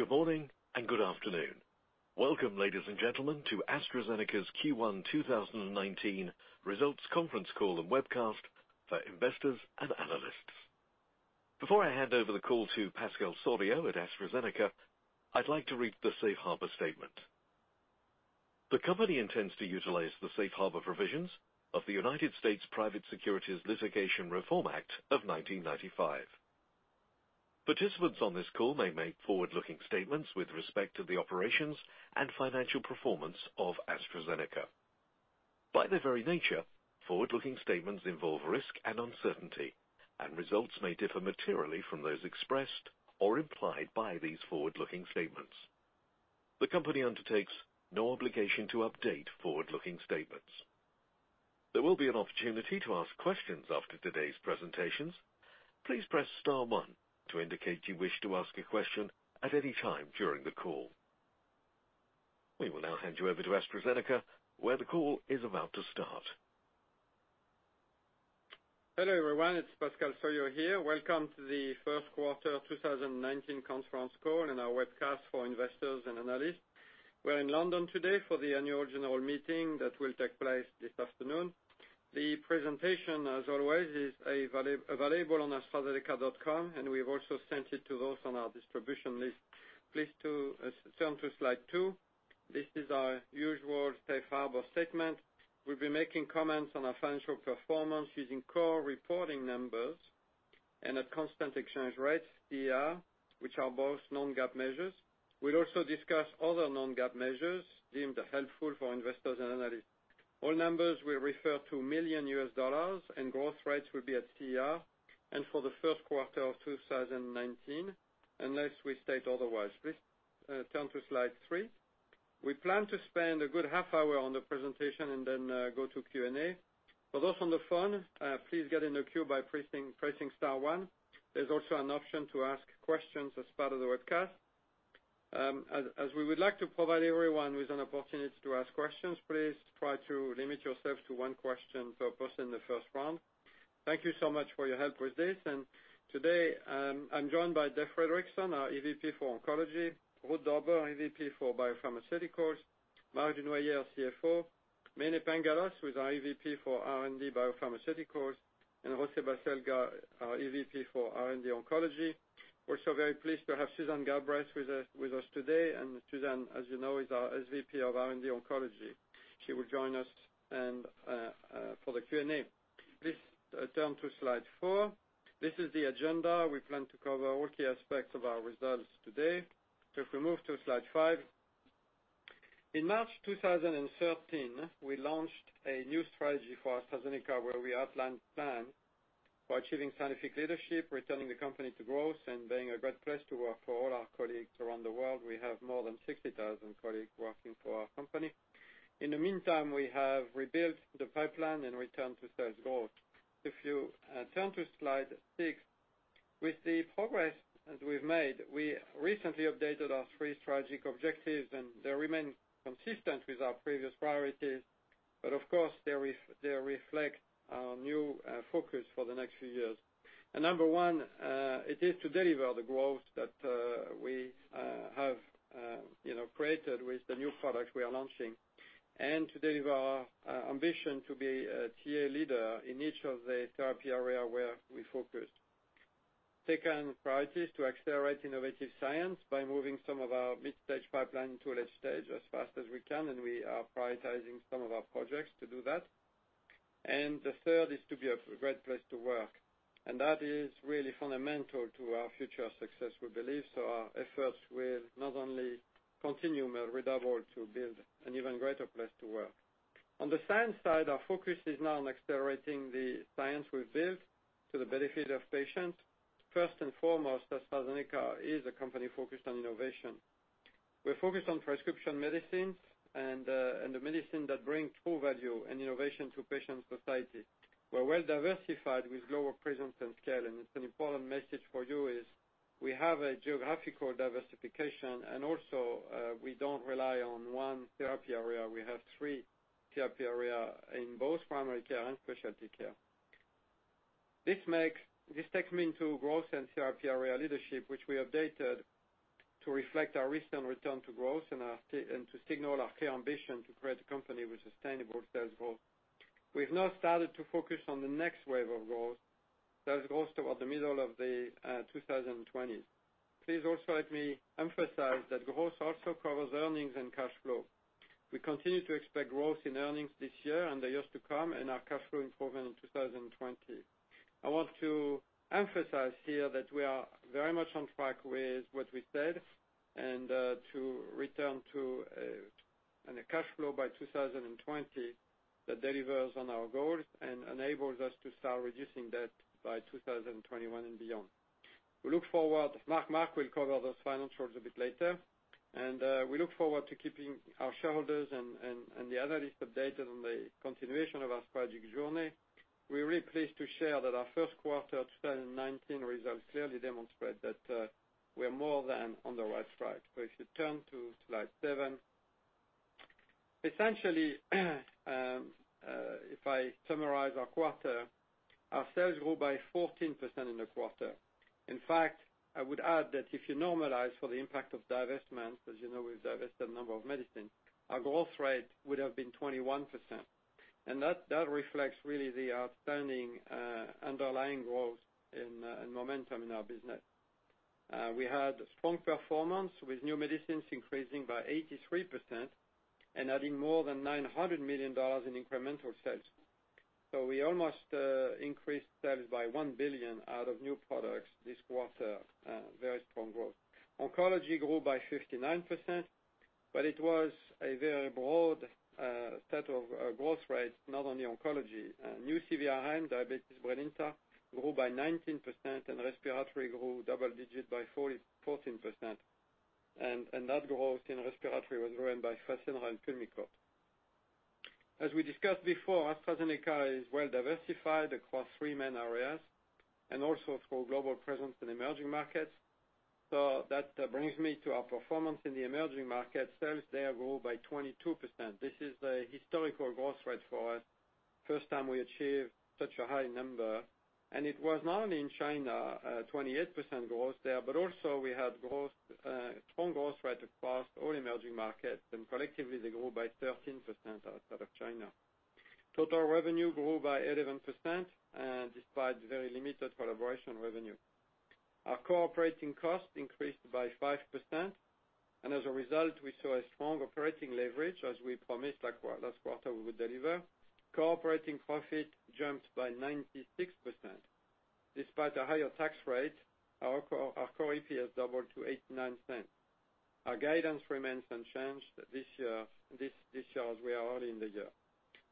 Good morning and good afternoon. Welcome, ladies and gentlemen, to AstraZeneca's Q1 2019 results conference call and webcast for investors and analysts. Before I hand over the call to Pascal Soriot at AstraZeneca, I'd like to read the safe harbor statement. The company intends to utilize the safe harbor provisions of the United States Private Securities Litigation Reform Act of 1995. Participants on this call may make forward-looking statements with respect to the operations and financial performance of AstraZeneca. By their very nature, forward-looking statements involve risk and uncertainty, and results may differ materially from those expressed or implied by these forward-looking statements. The company undertakes no obligation to update forward-looking statements. There will be an opportunity to ask questions after today's presentations. Please press star one to indicate you wish to ask a question at any time during the call. We will now hand you over to AstraZeneca, where the call is about to start. Hello, everyone. It's Pascal Soriot here. Welcome to the first quarter of 2019 conference call and our webcast for investors and analysts. We're in London today for the annual general meeting that will take place this afternoon. The presentation, as always, is available on astrazeneca.com, and we've also sent it to those on our distribution list. Please turn to slide two. This is our usual safe harbor statement. We'll be making comments on our financial performance using core reporting numbers and at constant exchange rates, CER, which are both non-GAAP measures. We'll also discuss other non-GAAP measures deemed helpful for investors and analysts. All numbers will refer to million U.S. dollars, and growth rates will be at CER and for the first quarter of 2019, unless we state otherwise. Please turn to slide three. We plan to spend a good half hour on the presentation and then go to Q&A. For those on the phone, please get in the queue by pressing star one. There's also an option to ask questions as part of the webcast. As we would like to provide everyone with an opportunity to ask questions, please try to limit yourself to one question per person in the first round. Thank you so much for your help with this. Today, I'm joined by Dave Fredrickson, our EVP for Oncology, Ruud Dobber, EVP for BioPharmaceuticals, Marc Dunoyer, CFO, Mene Pangalos, who is our EVP for R&D BioPharmaceuticals, and José Baselga, our EVP for R&D Oncology. We're so very pleased to have Susan Galbraith with us today. Susan, as you know, is our SVP of R&D Oncology. She will join us for the Q&A. Please turn to slide four. This is the agenda. We plan to cover all key aspects of our results today. If we move to slide five. In March 2013, we launched a new strategy for AstraZeneca, where we outlined plan for achieving scientific leadership, returning the company to growth, and being a great place to work for all our colleagues around the world. We have more than 60,000 colleagues working for our company. In the meantime, we have rebuilt the pipeline and returned to sales growth. If you turn to slide six, with the progress that we've made, we recently updated our three strategic objectives, and they remain consistent with our previous priorities. But of course, they reflect our new focus for the next few years. Number one, it is to deliver the growth that we have created with the new products we are launching and to deliver our ambition to be a tier leader in each of the therapy area where we focus. Second priority is to accelerate innovative science by moving some of our mid-stage pipeline to a late stage as fast as we can, and we are prioritizing some of our projects to do that. The third is to be a great place to work. That is really fundamental to our future success, we believe. Our efforts will not only continue, but redouble to build an even greater place to work. On the science side, our focus is now on accelerating the science we build to the benefit of patients. First and foremost, AstraZeneca is a company focused on innovation. We're focused on prescription medicines and the medicine that bring true value and innovation to patient society. We're well diversified with lower presence and scale. It's an important message for you is we have a geographical diversification. Also, we don't rely on one therapy area. We have three therapy area in both primary care and specialty care. This takes me into growth and therapy area leadership, which we updated to reflect our recent return to growth and to signal our clear ambition to create a company with sustainable sales growth. We've now started to focus on the next wave of growth. That is growth toward the middle of the 2020s. Please also let me emphasize that growth also covers earnings and cash flow. We continue to expect growth in earnings this year and the years to come. Our cash flow improvement in 2020. I want to emphasize here that we are very much on track with what we said, to return to a cash flow by 2020 that delivers on our goals and enables us to start reducing debt by 2021 and beyond. Marc will cover those financials a bit later, and we look forward to keeping our shareholders and the analysts updated on the continuation of our strategic journey. We're really pleased to share that our first quarter 2019 results clearly demonstrate that we are more than on the right track. If you turn to slide seven. Essentially, if I summarize our quarter, our sales grew by 14% in the quarter. In fact, I would add that if you normalize for the impact of divestments, because you know we've divested a number of medicine, our growth rate would have been 21%. That reflects really the outstanding underlying growth and momentum in our business. We had strong performance with new medicines increasing by 83% and adding more than $900 million in incremental sales. We almost increased sales by $1 billion out of new products this quarter. Very strong growth. Oncology grew by 59%. It was a very broad set of growth rates, not only oncology. New CVRM, diabetes BRILINTA grew by 19%. Respiratory grew double digit by 14%. That growth in respiratory was driven by FASENRA and PULMICORT. As we discussed before, AstraZeneca is well diversified across three main areas and also through global presence in emerging markets. That brings me to our performance in the emerging market. Sales there grew by 22%. This is a historical growth rate for us. First time we achieved such a high number. It was not only in China, 28% growth there, but also we had strong growth rate across all emerging markets, and collectively they grew by 13% outside of China. Total revenue grew by 11% and despite very limited collaboration revenue. Our core operating cost increased by 5%. As a result, we saw a strong operating leverage, as we promised last quarter we would deliver. Core operating profit jumped by 96%. Despite a higher tax rate, our core EPS doubled to $0.89. Our guidance remains unchanged this year, as we are early in the year.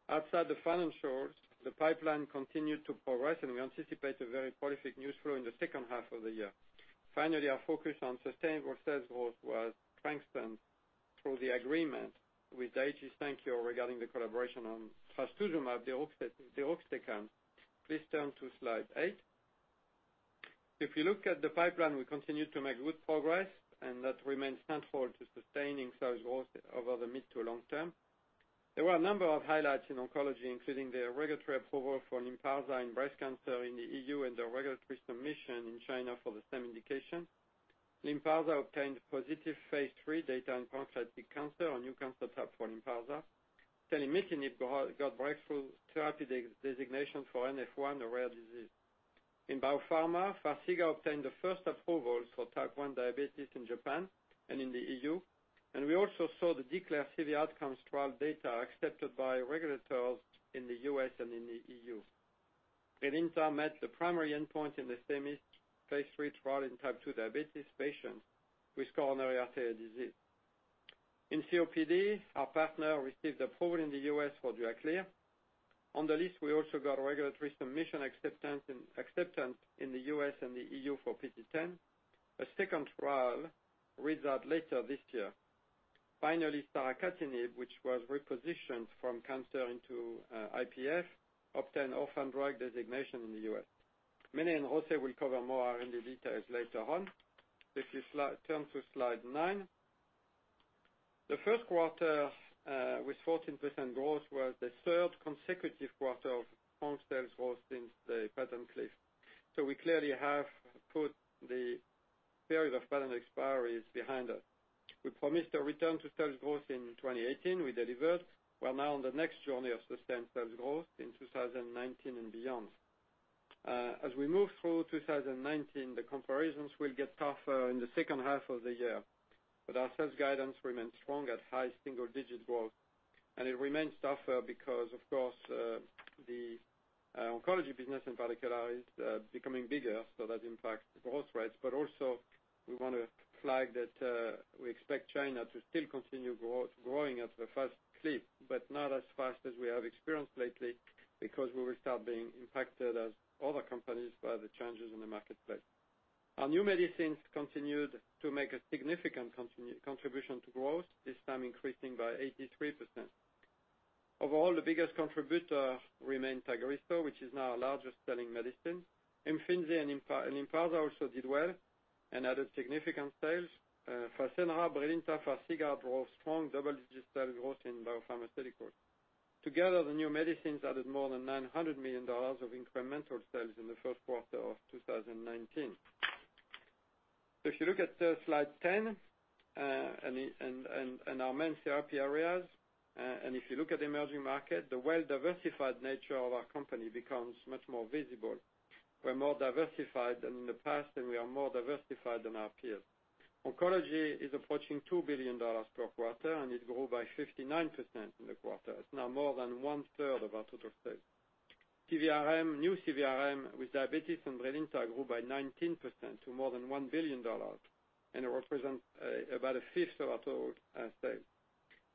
Outside the financials, the pipeline continued to progress. We anticipate a very prolific news flow in the second half of the year. Finally, our focus on sustainable sales growth was strengthened through the agreement with Daiichi Sankyo regarding the collaboration on trastuzumab deruxtecan. Please turn to slide eight. If you look at the pipeline, we continue to make good progress, and that remains central to sustaining sales growth over the mid to long term. There were a number of highlights in oncology, including the regulatory approval for LYNPARZA in breast cancer in the EU and the regulatory submission in China for the same indication. LYNPARZA obtained positive phase III data in pancreatic cancer, a new cancer type for LYNPARZA. Selumetinib got breakthrough therapy designation for NF1, a rare disease. In biopharma, FARXIGA obtained the first approval for type 1 diabetes in Japan and in the EU. We also saw the DECLARE CV Outcomes trial data accepted by regulators in the U.S. and in the EU. BRILINTA met the primary endpoint in the THEMIS phase III trial in type 2 diabetes patients with coronary artery disease. In COPD, our partner received approval in the U.S. for Duaklir. On the list, we also got regulatory submission acceptance in the U.S. and the EU for PT010. A second trial result later this year. Finally, saracatinib, which was repositioned from cancer into IPF, obtained orphan drug designation in the U.S. Mene and José will cover more R&D details later on. If you turn to slide nine. The first quarter with 14% growth was the third consecutive quarter of strong sales growth since the patent cliff. We clearly have put the period of patent expiries behind us. We promised a return to sales growth in 2018. We delivered. We are now on the next journey of sustained sales growth in 2019 and beyond. As we move through 2019, the comparisons will get tougher in the second half of the year. Our sales guidance remains strong at high single-digit growth. It remains tougher because, of course, the oncology business in particular is becoming bigger, that impacts growth rates. Also we want to flag that we expect China to still continue growing at a fast clip, but not as fast as we have experienced lately because we will start being impacted as other companies by the changes in the marketplace. Our new medicines continued to make a significant contribution to growth, this time increasing by 83%. Overall, the biggest contributor remained TAGRISSO, which is now our largest-selling medicine. IMFINZI and LYNPARZA also did well and added significant sales. FASENRA, BRILINTA, FARXIGA drove strong double-digit sales growth in BioPharmaceuticals. Together, the new medicines added more than $900 million of incremental sales in the first quarter of 2019. If you look at slide 10 and our main therapy areas, and if you look at emerging market, the well-diversified nature of our company becomes much more visible. We're more diversified than in the past, we are more diversified than our peers. Oncology is approaching $2 billion per quarter, it grew by 59% in the quarter. It's now more than 1/3 of our total sales. CVRM, new CVRM with diabetes and BRILINTA grew by 19% to more than $1 billion and it represents about 1/5 of our total sales.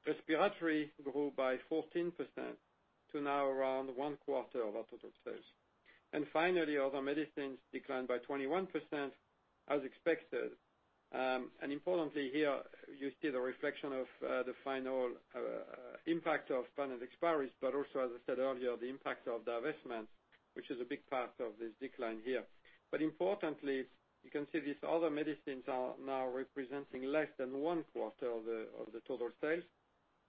Respiratory grew by 14% to now around 1/4 of our total sales. Finally, other medicines declined by 21% as expected. Importantly here, you see the reflection of the final impact of patent expiries, also as I said earlier, the impact of divestments, which is a big part of this decline here. Importantly, you can see these other medicines are now representing less than 1/4 of the total sales.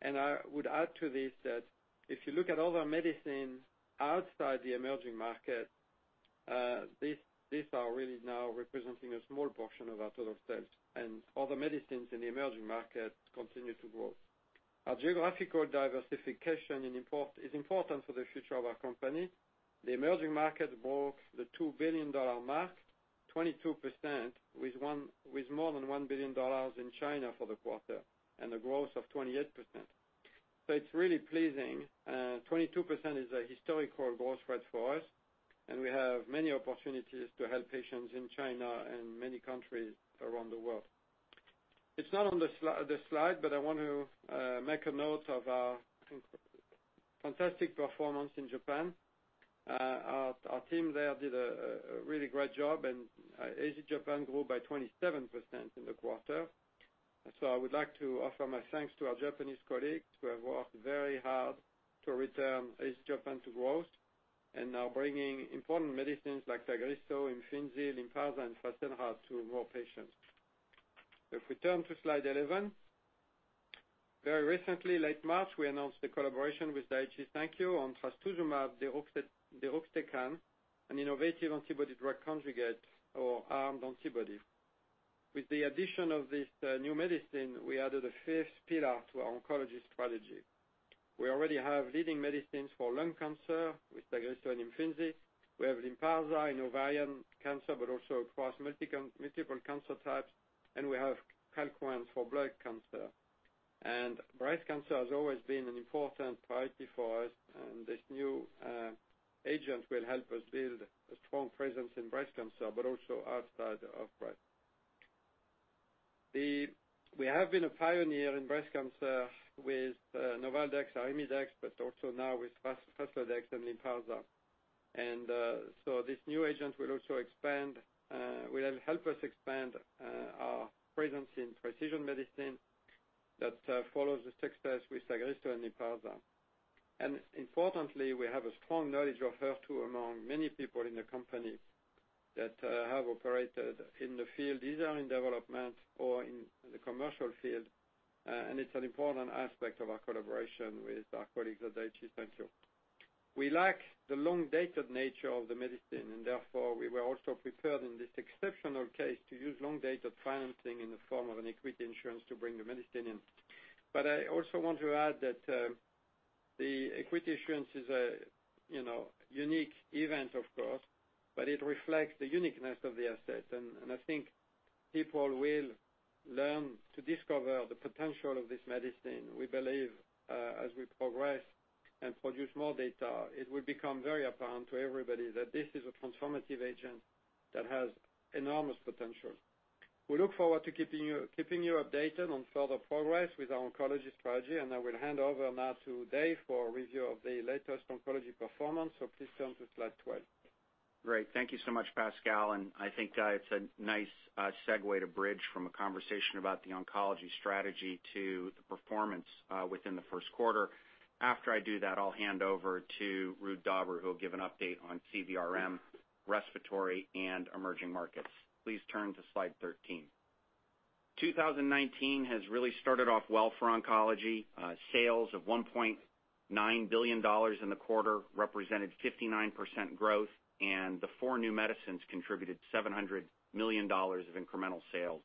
I would add to this that if you look at other medicines outside the emerging market, these are really now representing a small portion of our total sales and other medicines in the emerging market continue to grow. Our geographical diversification is important for the future of our company. The emerging market broke the $2 billion mark, 22% with more than $1 billion in China for the quarter, and a growth of 28%. It's really pleasing. 22% is a historical growth rate for us, and we have many opportunities to help patients in China and many countries around the world. It's not on the slide, but I want to make a note of our fantastic performance in Japan. Our team there did a really great job, Asia Japan grew by 27% in the quarter. I would like to offer my thanks to our Japanese colleagues, who have worked very hard to return Asia Japan to growth, and are bringing important medicines like TAGRISSO, IMFINZI, LYNPARZA, and FASENRA to more patients. If we turn to slide 11. Very recently, late March, we announced the collaboration with Daiichi Sankyo on trastuzumab deruxtecan, an innovative antibody drug conjugate or armed antibody. With the addition of this new medicine, we added a fifth pillar to our oncology strategy. We already have leading medicines for lung cancer with TAGRISSO and IMFINZI. We have LYNPARZA in ovarian cancer, but also across multiple cancer types, and we have CALQUENCE for blood cancer. Breast cancer has always been an important priority for us, and this new agent will help us build a strong presence in breast cancer, but also outside of breast. We have been a pioneer in breast cancer with NOLVADEX, ARIMIDEX, but also now with FASLODEX and LYNPARZA. So this new agent will help us expand our presence in precision medicine that follows the success with TAGRISSO and LYNPARZA. Importantly, we have a strong knowledge of HER2 among many people in the company that have operated in the field, either in development or in the commercial field, and it's an important aspect of our collaboration with our colleagues at Daiichi Sankyo. We like the long-dated nature of the medicine, and therefore, we were also prepared in this exceptional case to use long-dated financing in the form of an equity issuance to bring the medicine in. I also want to add that the equity issuance is a unique event, of course, but it reflects the uniqueness of the asset. I think people will learn to discover the potential of this medicine. We believe as we progress and produce more data, it will become very apparent to everybody that this is a transformative agent that has enormous potential. We look forward to keeping you updated on further progress with our oncology strategy, and I will hand over now to Dave for a review of the latest oncology performance. Please turn to slide 12. Great. Thank you so much, Pascal. I think it's a nice segue to bridge from a conversation about the oncology strategy to the performance within the first quarter. After I do that, I'll hand over to Ruud Dobber, who'll give an update on CVRM, respiratory, and emerging markets. Please turn to slide 13. 2019 has really started off well for oncology. Sales of $1.9 billion in the quarter represented 59% growth. The four new medicines contributed $700 million of incremental sales.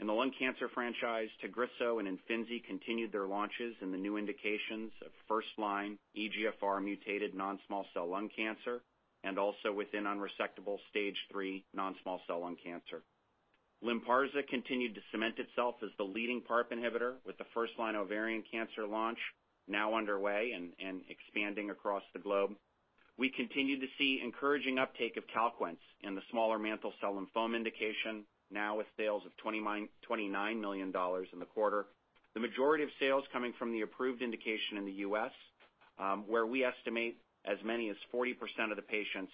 In the lung cancer franchise, TAGRISSO and IMFINZI continued their launches in the new indications of first-line EGFR mutated non-small cell lung cancer, and also within unresectable stage 3 non-small cell lung cancer. LYNPARZA continued to cement itself as the leading PARP inhibitor, with the first-line ovarian cancer launch now underway and expanding across the globe. We continue to see encouraging uptake of CALQUENCE in the smaller mantle cell lymphoma indication, now with sales of $29 million in the quarter. The majority of sales coming from the approved indication in the U.S., where we estimate as many as 40% of the patients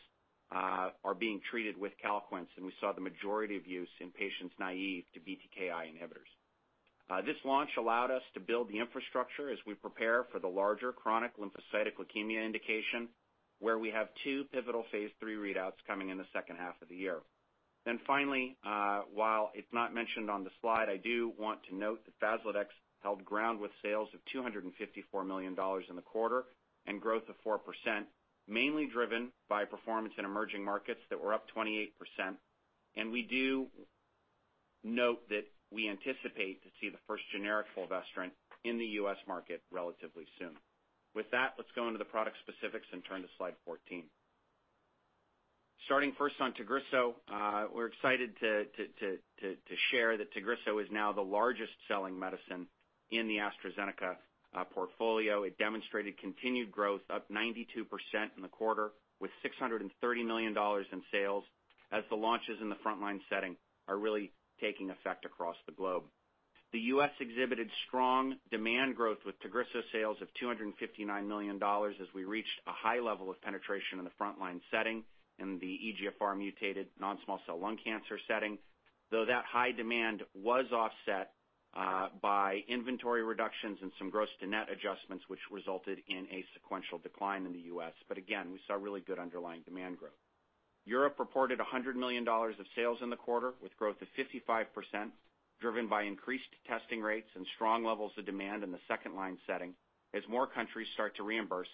are being treated with CALQUENCE, and we saw the majority of use in patients naive to BTK inhibitors. This launch allowed us to build the infrastructure as we prepare for the larger chronic lymphocytic leukemia indication, where we have two pivotal phase III readouts coming in the second half of the year. Finally, while it's not mentioned on the slide, I do want to note that FASLODEX held ground with sales of $254 million in the quarter, and growth of 4%, mainly driven by performance in emerging markets that were up 28%. We do note that we anticipate to see the first generic fulvestrant in the U.S. market relatively soon. With that, let's go into the product specifics and turn to slide 14. Starting first on TAGRISSO, we are excited to share that TAGRISSO is now the largest selling medicine in the AstraZeneca portfolio. It demonstrated continued growth up 92% in the quarter, with $630 million in sales as the launches in the frontline setting are really taking effect across the globe. The U.S. exhibited strong demand growth with TAGRISSO sales of $259 million as we reached a high level of penetration in the frontline setting in the EGFR mutated non-small cell lung cancer setting, though that high demand was offset by inventory reductions and some gross to net adjustments, which resulted in a sequential decline in the U.S. Again, we saw really good underlying demand growth. Europe reported $100 million of sales in the quarter, with growth of 55%, driven by increased testing rates and strong levels of demand in the second-line setting, as more countries start to reimburse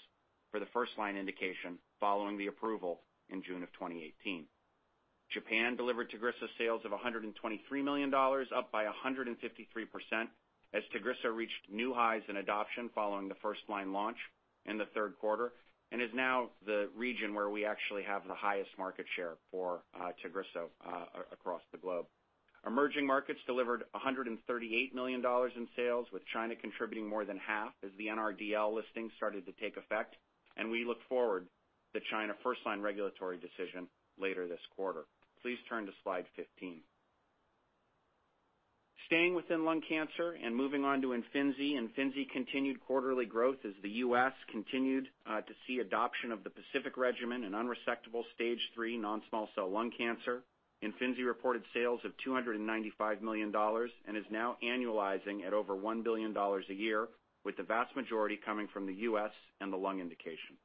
for the first-line indication following the approval in June of 2018. Japan delivered TAGRISSO sales of $123 million, up by 153%, as TAGRISSO reached new highs in adoption following the first-line launch in the third quarter, and is now the region where we actually have the highest market share for TAGRISSO across the globe. Emerging markets delivered $138 million in sales, with China contributing more than half as the NRDL listing started to take effect, and we look forward to China first-line regulatory decision later this quarter. Please turn to slide 15. Staying within lung cancer and moving on to IMFINZI. IMFINZI continued quarterly growth as the U.S. continued to see adoption of the PACIFIC regimen in unresectable Stage 3 non-small cell lung cancer. IMFINZI reported sales of $295 million and is now annualizing at over $1 billion a year, with the vast majority coming from the U.S. and the lung indication.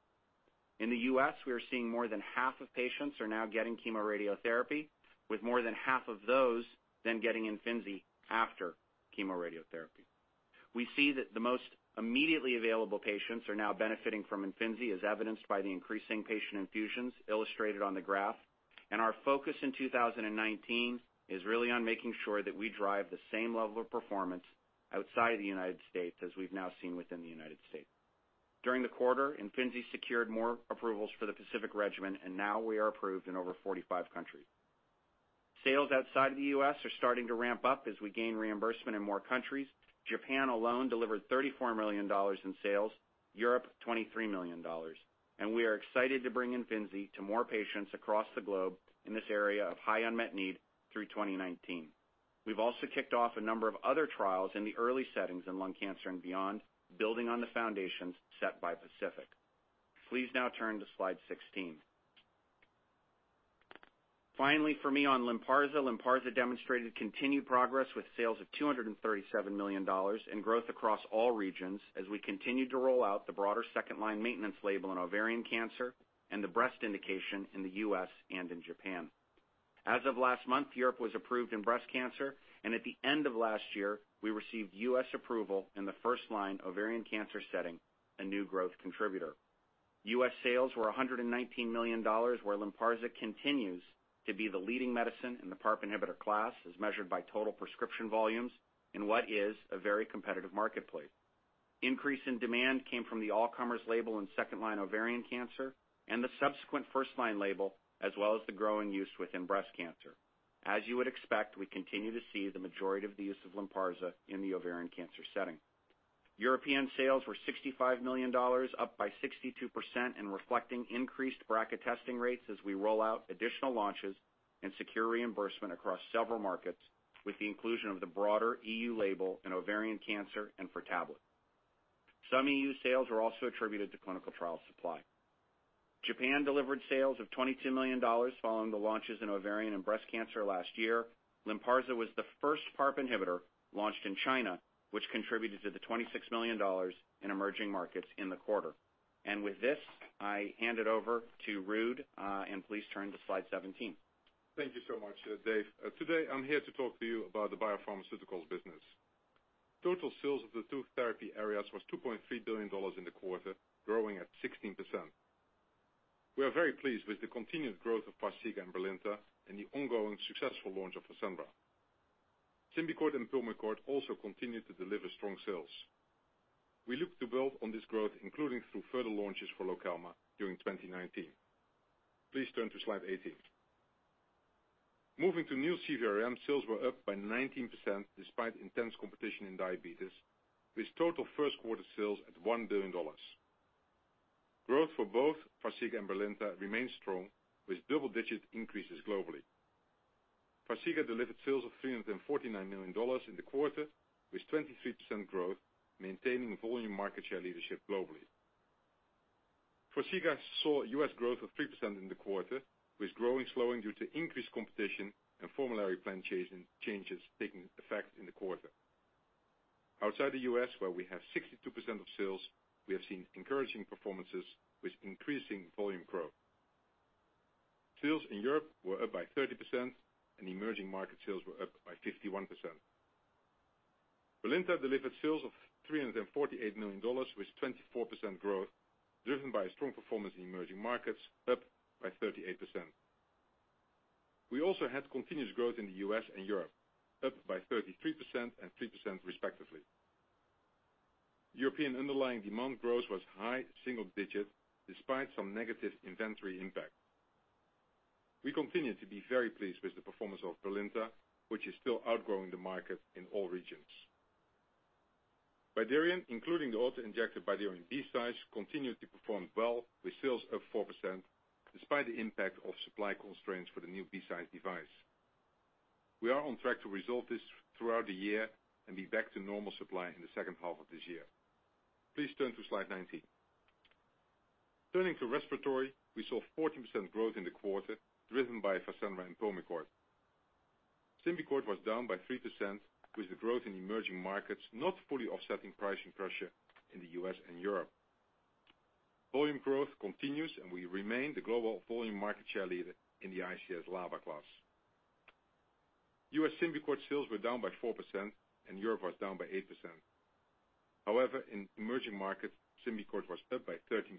In the U.S., we are seeing more than half of patients are now getting chemoradiotherapy, with more than half of those then getting IMFINZI after chemoradiotherapy. We see that the most immediately available patients are now benefiting from IMFINZI, as evidenced by the increasing patient infusions illustrated on the graph. Our focus in 2019 is really on making sure that we drive the same level of performance outside the United States as we have now seen within the United States. During the quarter, IMFINZI secured more approvals for the PACIFIC regimen, and now we are approved in over 45 countries. Sales outside of the U.S. are starting to ramp up as we gain reimbursement in more countries. Japan alone delivered $34 million in sales, Europe $23 million. We are excited to bring IMFINZI to more patients across the globe in this area of high unmet need through 2019. We have also kicked off a number of other trials in the early settings in lung cancer and beyond, building on the foundations set by PACIFIC. Please now turn to slide 16. Finally, for me on LYNPARZA. LYNPARZA demonstrated continued progress with sales of $237 million and growth across all regions as we continued to roll out the broader second-line maintenance label in ovarian cancer and the breast indication in the U.S. and in Japan. As of last month, Europe was approved in breast cancer, and at the end of last year, we received U.S. approval in the first-line ovarian cancer setting, a new growth contributor. U.S. sales were $119 million, where LYNPARZA continues to be the leading medicine in the PARP inhibitor class, as measured by total prescription volumes in what is a very competitive marketplace. Increase in demand came from the all-comers label in second-line ovarian cancer and the subsequent first-line label, as well as the growing use within breast cancer. As you would expect, we continue to see the majority of the use of LYNPARZA in the ovarian cancer setting. European sales were $65 million, up by 62% and reflecting increased BRCA testing rates as we roll out additional launches and secure reimbursement across several markets with the inclusion of the broader EU label in ovarian cancer and for tablet. Some EU sales were also attributed to clinical trial supply. Japan delivered sales of $22 million following the launches in ovarian and breast cancer last year. LYNPARZA was the first PARP inhibitor launched in China, which contributed to the $26 million in emerging markets in the quarter. With this, I hand it over to Ruud, and please turn to slide 17. Thank you so much, Dave. Today, I'm here to talk to you about the BioPharmaceuticals business. Total sales of the two therapy areas was $2.3 billion in the quarter, growing at 16%. We are very pleased with the continued growth of FARXIGA and BRILINTA and the ongoing successful launch of FASENRA. SYMBICORT and PULMICORT also continue to deliver strong sales. We look to build on this growth, including through further launches for LOKELMA during 2019. Please turn to slide 18. Moving to new CVRM, sales were up by 19%, despite intense competition in diabetes, with total first quarter sales at $1 billion. Growth for both FARXIGA and BRILINTA remains strong, with double-digit increases globally. FARXIGA delivered sales of $349 million in the quarter, with 23% growth, maintaining volume market share leadership globally. FARXIGA saw U.S. growth of 3% in the quarter, with growth slowing due to increased competition and formulary plan changes taking effect in the quarter. Outside the U.S., where we have 62% of sales, we have seen encouraging performances with increasing volume growth. Sales in Europe were up by 30%, and emerging market sales were up by 51%. BRILINTA delivered sales of $348 million with 24% growth, driven by a strong performance in emerging markets, up by 38%. We also had continuous growth in the U.S. and Europe, up by 33% and 3%, respectively. European underlying demand growth was high single-digit despite some negative inventory impact. We continue to be very pleased with the performance of BRILINTA, which is still outgrowing the market in all regions. BYDUREON, including the auto-injector BYDUREON BCise, continued to perform well with sales up 4%, despite the impact of supply constraints for the new BCise device. We are on track to resolve this throughout the year and be back to normal supply in the second half of this year. Please turn to slide 19. Turning to respiratory, we saw 14% growth in the quarter driven by FASENRA and PULMICORT. SYMBICORT was down by 3%, with the growth in emerging markets not fully offsetting pricing pressure in the U.S. and Europe. Volume growth continues, and we remain the global volume market share leader in the ICS/LABA class. U.S. SYMBICORT sales were down by 4%, and Europe was down by 8%. However, in emerging markets, SYMBICORT was up by 13%.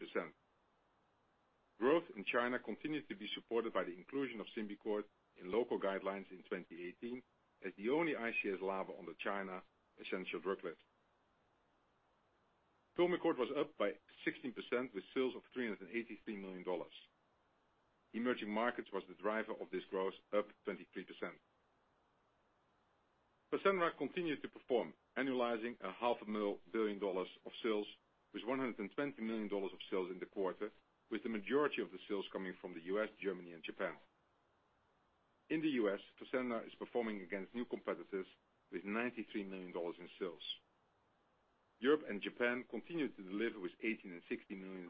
Growth in China continued to be supported by the inclusion of SYMBICORT in local guidelines in 2018, as the only ICS/LABA on the China essential drug list. PULMICORT was up by 16%, with sales of $383 million. Emerging markets was the driver of this growth, up 23%. FASENRA continued to perform, annualizing $500 million of sales, with $120 million of sales in the quarter, with the majority of the sales coming from the U.S., Germany, and Japan. In the U.S., FASENRA is performing against new competitors, with $93 million in sales. Europe and Japan continued to deliver with $18 million and $16 million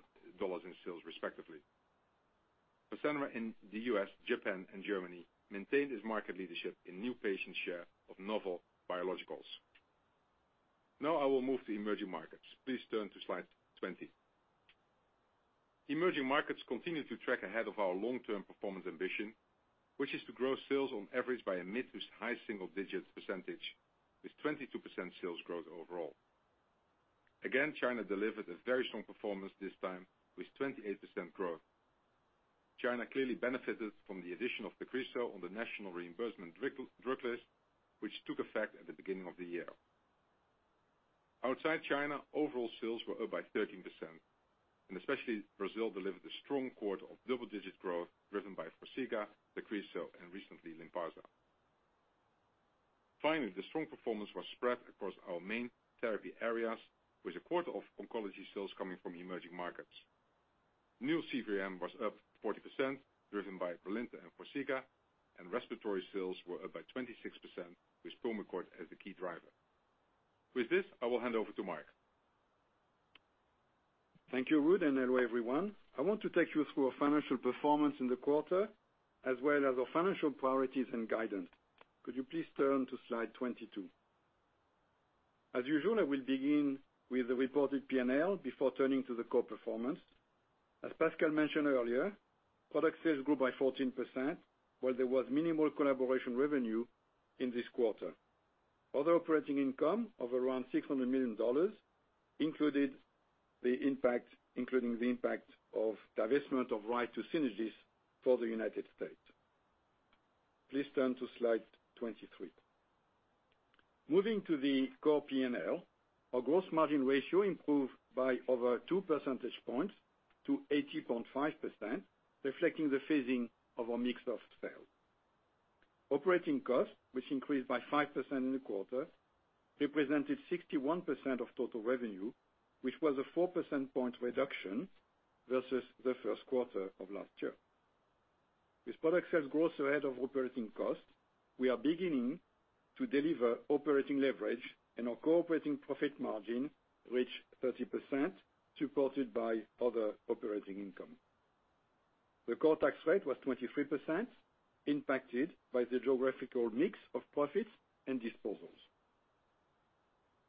in sales respectively. FASENRA in the U.S., Japan, and Germany maintained its market leadership in new patient share of novel biologicals. Now I will move to emerging markets. Please turn to slide 20. Emerging markets continued to track ahead of our long-term performance ambition, which is to grow sales on average by a mid to high single-digit percentage, with 22% sales growth overall. Again, China delivered a very strong performance this time, with 28% growth. China clearly benefited from the addition of TAGRISSO on the National Reimbursement Drug List, which took effect at the beginning of the year. Outside China, overall sales were up by 13%, and especially Brazil delivered a strong quarter of double-digit growth driven by FORXIGA, TAGRISSO, and recently LYNPARZA. Finally, the strong performance was spread across our main therapy areas, with a quarter of oncology sales coming from emerging markets. New CVRM was up 40%, driven by BRILINTA and FORXIGA, and respiratory sales were up by 26%, with PULMICORT as the key driver. With this, I will hand over to Marc. Thank you, Ruud, and hello everyone. I want to take you through our financial performance in the quarter, as well as our financial priorities and guidance. Could you please turn to slide 22? As usual, I will begin with the reported P&L before turning to the core performance. As Pascal mentioned earlier, product sales grew by 14%, while there was minimal collaboration revenue in this quarter. Other operating income of around $600 million, including the impact of divestment of right to Synagis for the United States. Please turn to slide 23. Moving to the core P&L, our gross margin ratio improved by over 2 percentage points to 80.5%, reflecting the phasing of our mix of sales. Operating costs, which increased by 5% in the quarter, represented 61% of total revenue, which was a 4 percentage point reduction versus the first quarter of last year. With product sales growth ahead of operating costs, we are beginning to deliver operating leverage, our core operating profit margin reached 30%, supported by other operating income. The core tax rate was 23%, impacted by the geographical mix of profits and disposals.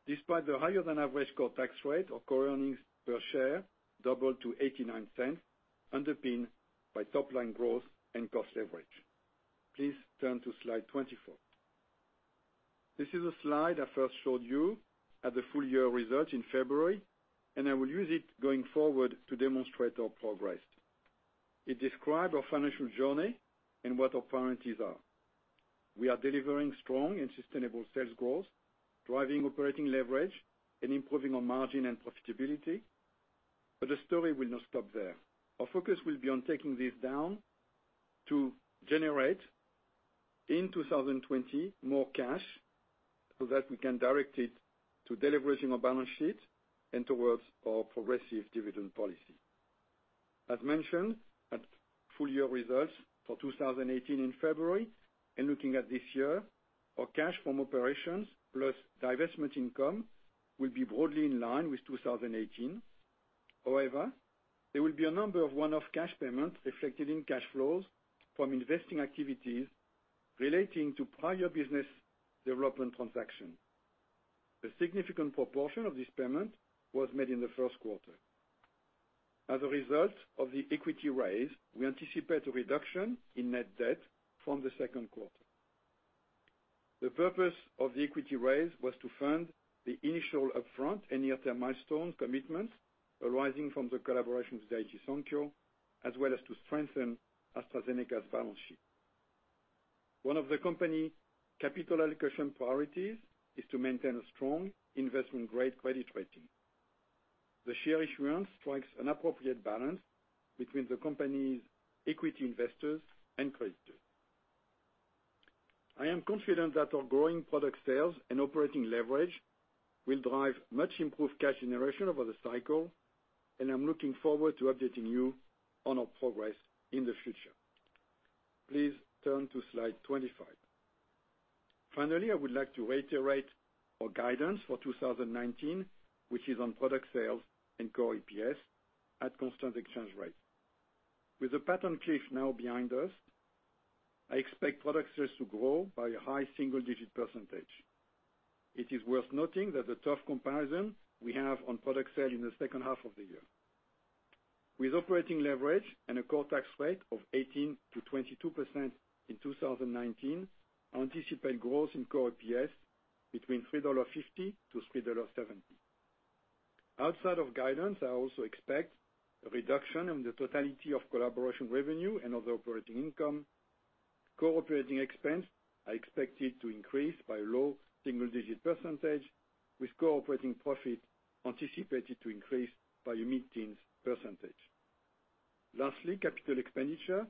Despite the higher than average core tax rate, our core earnings per share doubled to $0.89, underpinned by top-line growth and cost leverage. Please turn to slide 24. This is a slide I first showed you at the full-year results in February, I will use it going forward to demonstrate our progress. It describes our financial journey and what our priorities are. We are delivering strong and sustainable sales growth, driving operating leverage and improving our margin and profitability. The story will not stop there. Our focus will be on taking this down to generate, in 2020, more cash so that we can direct it to deleveraging our balance sheet and towards our progressive dividend policy. As mentioned at full-year results for 2018 in February, looking at this year, our cash from operations plus divestment income will be broadly in line with 2018. However, there will be a number of one-off cash payments reflected in cash flows from investing activities relating to prior business development transactions. A significant proportion of this payment was made in the first quarter. As a result of the equity raise, we anticipate a reduction in net debt from the second quarter. The purpose of the equity raise was to fund the initial upfront and earther milestone commitments arising from the collaboration with Daiichi Sankyo, as well as to strengthen AstraZeneca's balance sheet. One of the company capital allocation priorities is to maintain a strong investment-grade credit rating. The share issuance strikes an appropriate balance between the company's equity investors and creditors. I am confident that our growing product sales and operating leverage will drive much improved cash generation over the cycle, I'm looking forward to updating you on our progress in the future. Please turn to slide 25. Finally, I would like to reiterate our guidance for 2019, which is on product sales and core EPS at constant exchange rates. With the patent cliff now behind us, I expect product sales to grow by a high single-digit percentage. It is worth noting that the tough comparison we have on product sale in the second half of the year. With operating leverage and a core tax rate of 18%-22% in 2019, anticipate growth in core EPS between $3.50-$3.70. Outside of guidance, I also expect a reduction in the totality of collaboration revenue and other operating income. Core operating expense are expected to increase by low single-digit percentage, with core operating profit anticipated to increase by mid-teens percentage. Lastly, capital expenditure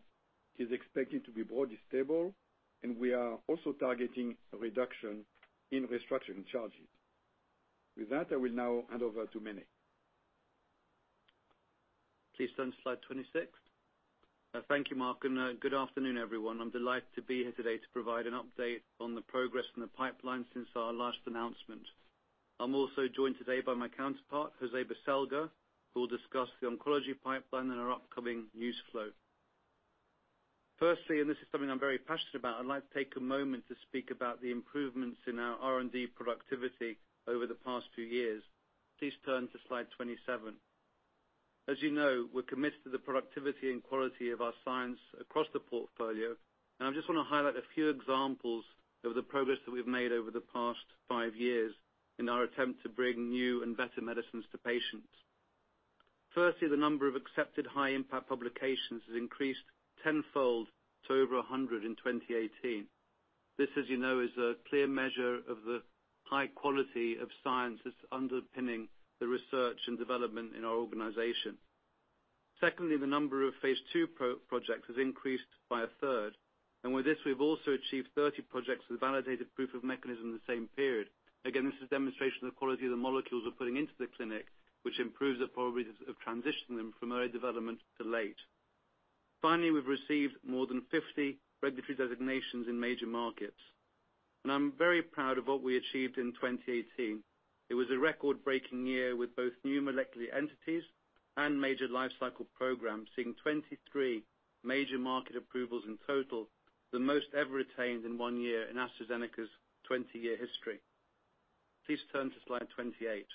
is expected to be broadly stable, we are also targeting a reduction in restructuring charges. With that, I will now hand over to Mene. Please turn to slide 26. Thank you, Marc, and good afternoon, everyone. I'm delighted to be here today to provide an update on the progress in the pipeline since our last announcement. I'm also joined today by my counterpart, José Baselga, who will discuss the oncology pipeline and our upcoming news flow. Firstly, this is something I'm very passionate about, I'd like to take a moment to speak about the improvements in our R&D productivity over the past few years. Please turn to slide 27. As you know, we're committed to the productivity and quality of our science across the portfolio, and I just want to highlight a few examples of the progress that we've made over the past five years in our attempt to bring new and better medicines to patients. Firstly, the number of accepted high-impact publications has increased tenfold to over 100 in 2018. This, as you know, is a clear measure of the high quality of science that's underpinning the research and development in our organization. Secondly, the number of phase II projects has increased by a third. With this, we've also achieved 30 projects with validated proof of mechanism in the same period. Again, this is a demonstration of the quality of the molecules we're putting into the clinic, which improves the probabilities of transitioning them from early development to late. Finally, we've received more than 50 regulatory designations in major markets, and I'm very proud of what we achieved in 2018. It was a record-breaking year with both new molecular entities and major lifecycle programs, seeing 23 major market approvals in total, the most ever attained in one year in AstraZeneca's 20-year history. Please turn to slide 28.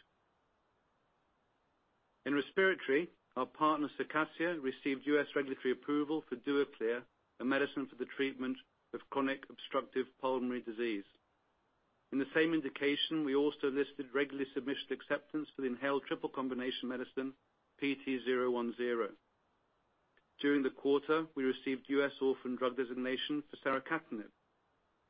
In respiratory, our partner, Circassia, received U.S. regulatory approval for Duaklir, a medicine for the treatment of chronic obstructive pulmonary disease. In the same indication, we also listed regulatory submission acceptance for the inhaled triple combination medicine, PT010. During the quarter, we received U.S. Orphan Drug Designation for saracatinib.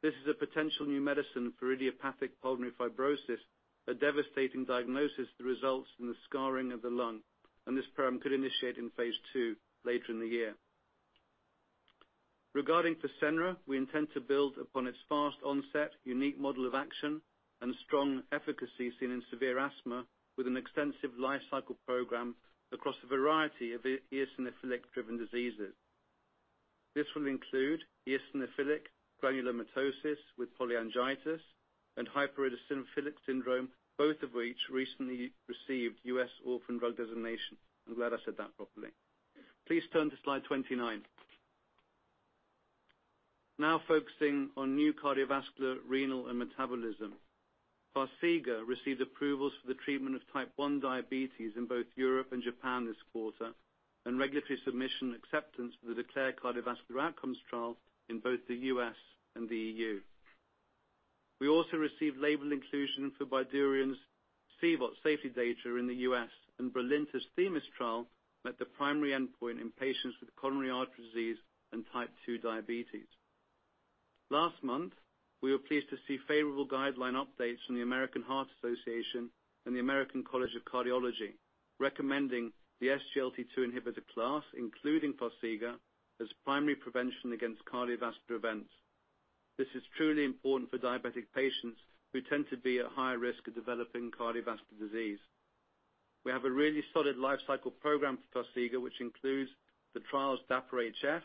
This is a potential new medicine for idiopathic pulmonary fibrosis, a devastating diagnosis that results in the scarring of the lung, and this program could initiate in phase II later in the year. Regarding FASENRA, we intend to build upon its fast onset, unique model of action, and strong efficacy seen in severe asthma with an extensive lifecycle program across a variety of eosinophilic-driven diseases. This will include eosinophilic granulomatosis with polyangiitis and hypereosinophilic syndrome, both of which recently received U.S. Orphan Drug Designation. I'm glad I said that properly. Please turn to slide 29. Now focusing on new Cardiovascular, Renal, and Metabolism. FARXIGA received approvals for the treatment of type 1 diabetes in both Europe and Japan this quarter, and regulatory submission acceptance for the DECLARE Cardiovascular Outcomes trials in both the U.S. and the E.U. We also received label inclusion for BYDUREON's CVOT safety data in the U.S., and BRILINTA's THEMIS trial met the primary endpoint in patients with coronary artery disease and type 2 diabetes. Last month, we were pleased to see favorable guideline updates from the American Heart Association and the American College of Cardiology, recommending the SGLT2 inhibitor class, including FARXIGA, as primary prevention against cardiovascular events. This is truly important for diabetic patients who tend to be at higher risk of developing cardiovascular disease. We have a really solid life cycle program for FARXIGA, which includes the trials DAPA-HF,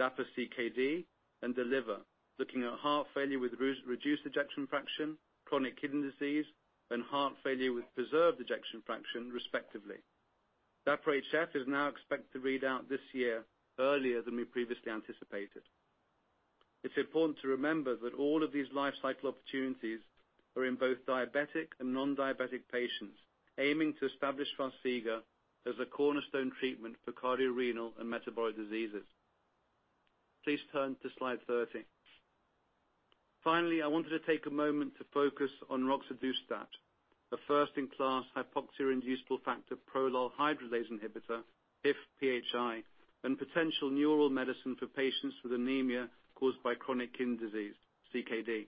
DAPA-CKD, and DELIVER, looking at heart failure with reduced ejection fraction, chronic kidney disease, and heart failure with preserved ejection fraction, respectively. DAPA-HF is now expected to read out this year, earlier than we previously anticipated. It's important to remember that all of these life cycle opportunities are in both diabetic and non-diabetic patients, aiming to establish FARXIGA as a cornerstone treatment for cardiorenal and metabolic diseases. Please turn to slide 30. Finally, I wanted to take a moment to focus on roxadustat, a first-in-class hypoxia-inducible factor prolyl hydroxylase inhibitor, HIF-PHI, and potential novel medicine for patients with anemia caused by chronic kidney disease, CKD.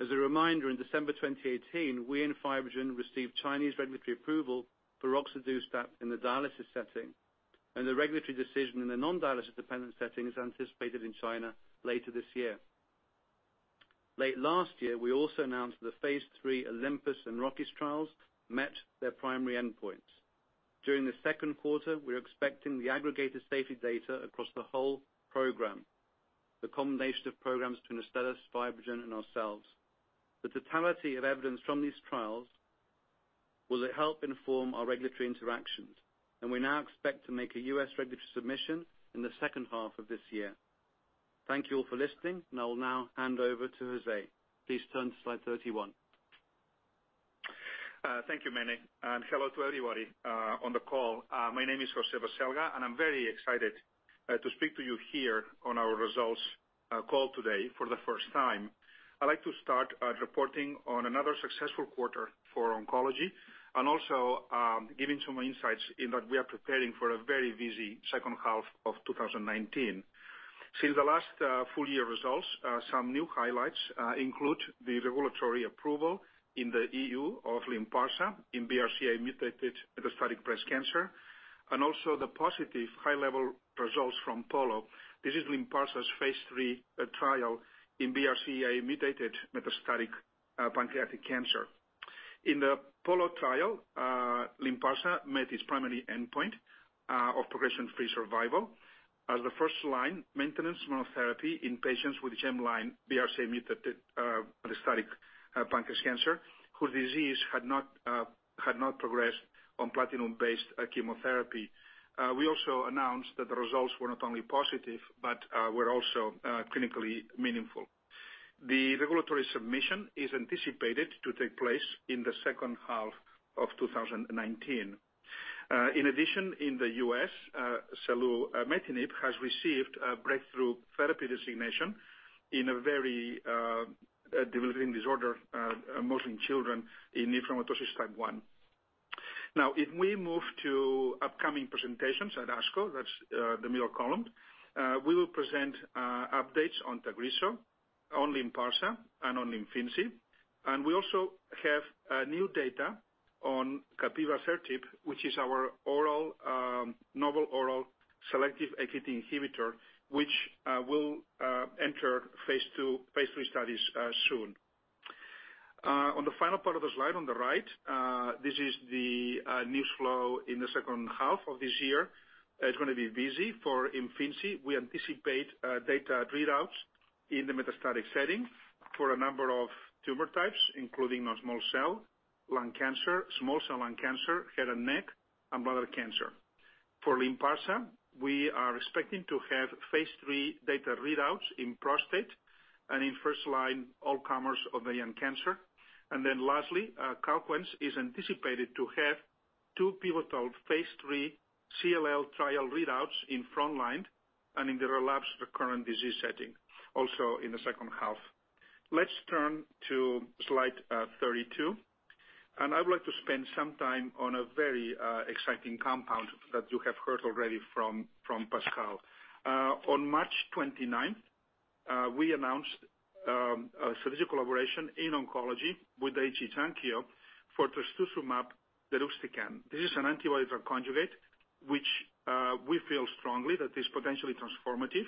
As a reminder, in December 2018, we and FibroGen received Chinese regulatory approval for roxadustat in the dialysis setting, and the regulatory decision in the non-dialysis dependent setting is anticipated in China later this year. Late last year, we also announced the phase III OLYMPUS and ROCKIES trials met their primary endpoints. During the second quarter, we're expecting the aggregated safety data across the whole program, the combination of programs between Astellas, FibroGen, and ourselves. The totality of evidence from these trials will help inform our regulatory interactions. We now expect to make a U.S. regulatory submission in the second half of this year. Thank you all for listening, and I will now hand over to José. Please turn to slide 31. Thank you, Mene, and hello to everybody on the call. My name is José Baselga, and I'm very excited to speak to you here on our results call today for the first time. I'd like to start reporting on another successful quarter for oncology and also giving some insights in that we are preparing for a very busy second half of 2019. Since the last full-year results, some new highlights include the regulatory approval in the EU of LYNPARZA in BRCA-mutated metastatic breast cancer, and also the positive high-level results from POLO. This is LYNPARZA's phase III trial in BRCA-mutated metastatic pancreatic cancer. In the POLO trial, LYNPARZA met its primary endpoint of progression-free survival as the first-line maintenance monotherapy in patients with germline BRCA-mutated metastatic pancreas cancer, whose disease had not progressed on platinum-based chemotherapy. We also announced that the results were not only positive but were also clinically meaningful. The regulatory submission is anticipated to take place in the second half of 2019. In addition, in the U.S., selumetinib has received breakthrough therapy designation in a very debilitating disorder, mostly in children, in neurofibromatosis type 1. Now, if we move to upcoming presentations at ASCO, that's the middle column. We will present updates on TAGRISSO, on LYNPARZA, and on IMFINZI. We also have new data on capivasertib, which is our novel oral selective AKT inhibitor, which will enter phase II, phase III studies soon. On the final part of the slide on the right, this is the news flow in the second half of this year. It's going to be busy for IMFINZI. We anticipate data readouts in the metastatic setting for a number of tumor types, including non-small cell lung cancer, small cell lung cancer, head and neck, and bladder cancer. For LYNPARZA, we are expecting to have phase III data readouts in prostate and in first-line all comers ovarian cancer. Lastly, CALQUENCE is anticipated to have two pivotal phase III CLL trial readouts in front line and in the relapsed recurrent disease setting, also in the second half. Let's turn to slide 32. I would like to spend some time on a very exciting compound that you have heard already from Pascal. On March 29th, we announced a strategic collaboration in oncology with Daiichi Sankyo for trastuzumab deruxtecan. This is an antibody conjugate which we feel strongly that is potentially transformative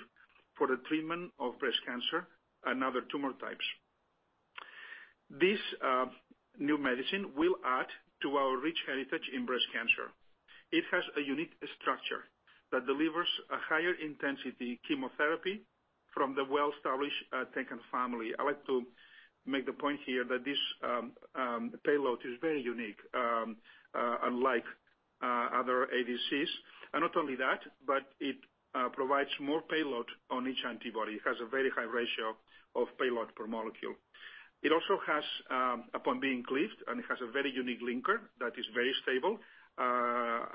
for the treatment of breast cancer and other tumor types. This new medicine will add to our rich heritage in breast cancer. It has a unique structure that delivers a higher intensity chemotherapy from the well-established taxane family. I'd like to make the point here that this payload is very unique, unlike other ADCs. Not only that, but it provides more payload on each antibody. It has a very high ratio of payload per molecule. It also has, upon being cleaved, it has a very unique linker that is very stable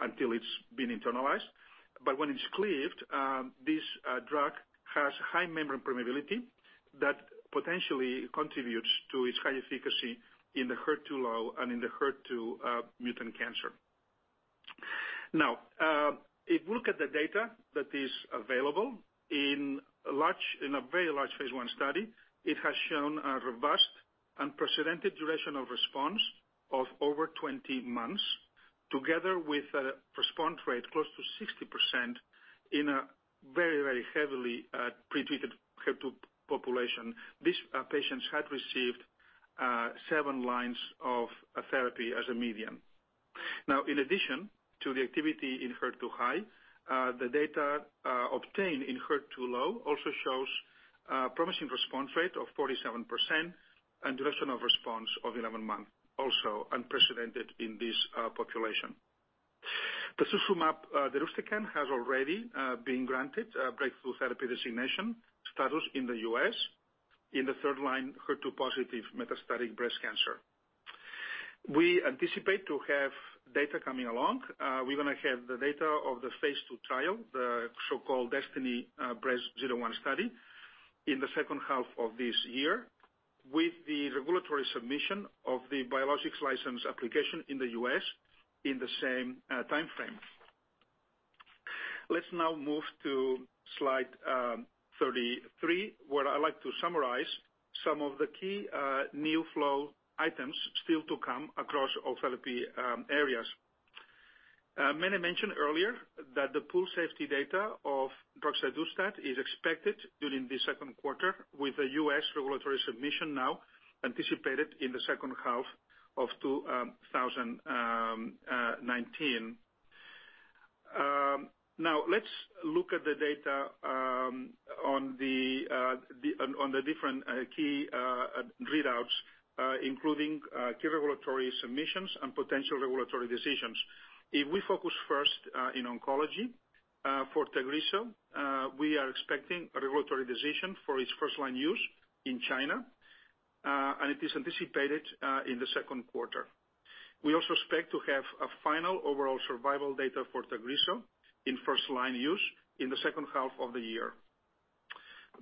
until it's been internalized. When it's cleaved, this drug has high membrane permeability that potentially contributes to its high efficacy in the HER2-low and in the HER2-mutant cancer. If you look at the data that is available in a very large phase I study, it has shown a robust, unprecedented duration of response of over 20 months, together with a response rate close to 60% in a very heavily pretreated HER2 population. These patients had received seven lines of therapy as a median. In addition to the activity in HER2-high, the data obtained in HER2-low also shows a promising response rate of 47% and duration of response of 11 months, also unprecedented in this population. trastuzumab deruxtecan has already been granted breakthrough therapy designation status in the U.S. in the third-line HER2-positive metastatic breast cancer. We anticipate to have data coming along. We're going to have the data of the phase II trial, the so-called DESTINY-Breast01 study in the second half of this year with the regulatory submission of the biologics license application in the U.S. in the same time frame. Let's now move to slide 33, where I'd like to summarize some of the key new flow items still to come across all therapy areas. Mene mentioned earlier that the pooled safety data of roxadustat is expected during the second quarter with the U.S. regulatory submission now anticipated in the second half of 2019. Now, let's look at the data on the different key readouts, including key regulatory submissions and potential regulatory decisions. If we focus first in oncology for TAGRISSO, we are expecting a regulatory decision for its first-line use in China, it is anticipated in the second quarter. We also expect to have a final overall survival data for TAGRISSO in first-line use in the second half of the year.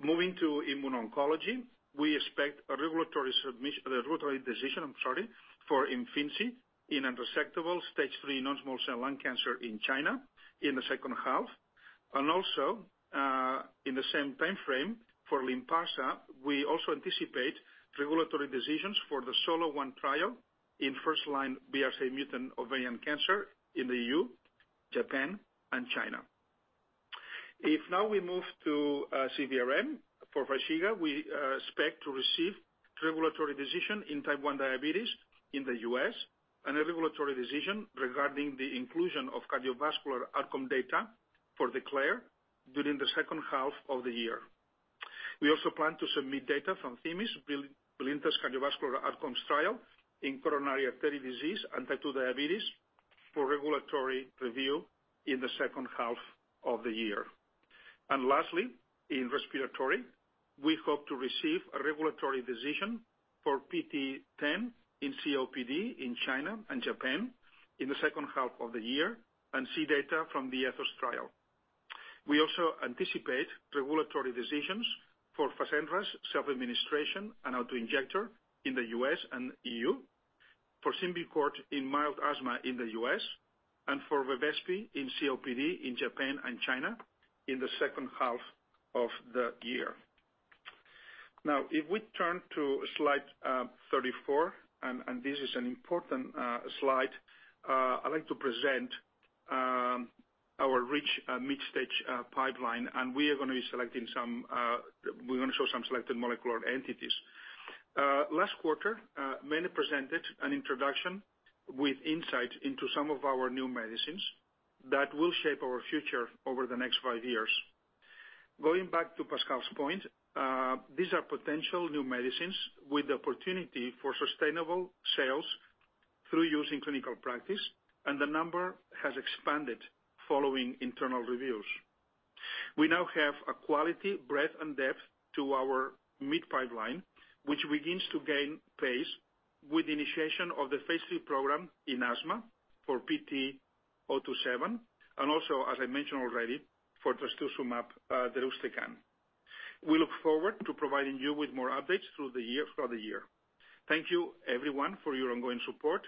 Moving to immuno-oncology, we expect a regulatory decision for IMFINZI in unresectable stage 3 non-small cell lung cancer in China in the second half. In the same time frame for LYNPARZA, we also anticipate regulatory decisions for the SOLO-1 trial in first-line BRCA mutant ovarian cancer in the EU, Japan, and China. Moving to CVRM for FARXIGA, we expect to receive regulatory decision in type 1 diabetes in the U.S. and a regulatory decision regarding the inclusion of cardiovascular outcome data for DECLARE during the second half of the year. We also plan to submit data from THEMIS, BRILINTA cardiovascular outcomes trial in coronary artery disease and type 2 diabetes for regulatory review in the second half of the year. Lastly, in respiratory, we hope to receive a regulatory decision for PT010 in COPD in China and Japan in the second half of the year and see data from the ATHOS trial. We also anticipate regulatory decisions for FASENRA's self-administration and auto-injector in the U.S. and EU, for SYMBICORT in mild asthma in the U.S., and for BEVESPI in COPD in Japan and China in the second half of the year. This is an important slide, I'd like to present our rich mid-stage pipeline, and we're going to show some selected molecular entities. Last quarter, Mene presented an introduction with insight into some of our new medicines that will shape our future over the next five years. Going back to Pascal's point, these are potential new medicines with the opportunity for sustainable sales through use in clinical practice, and the number has expanded following internal reviews. We now have a quality breadth and depth to our mid-pipeline, which begins to gain pace with initiation of the phase III program in asthma for PT027, and also, as I mentioned already, for trastuzumab deruxtecan. We look forward to providing you with more updates throughout the year. Thank you everyone for your ongoing support,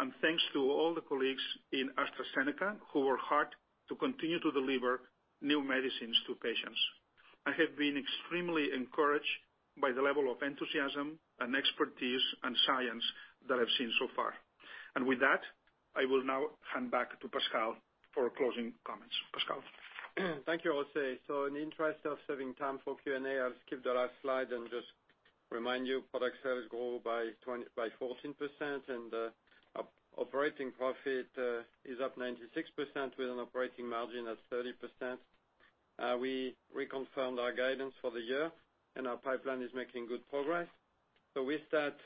and thanks to all the colleagues in AstraZeneca who work hard to continue to deliver new medicines to patients. I have been extremely encouraged by the level of enthusiasm, and expertise, and science that I've seen so far. With that, I will now hand back to Pascal for closing comments. Pascal? Thank you, José. In the interest of saving time for Q&A, I'll skip the last slide and just remind you product sales grow by 14%, and operating profit is up 96% with an operating margin at 30%. We reconfirmed our guidance for the year, and our pipeline is making good progress. With that,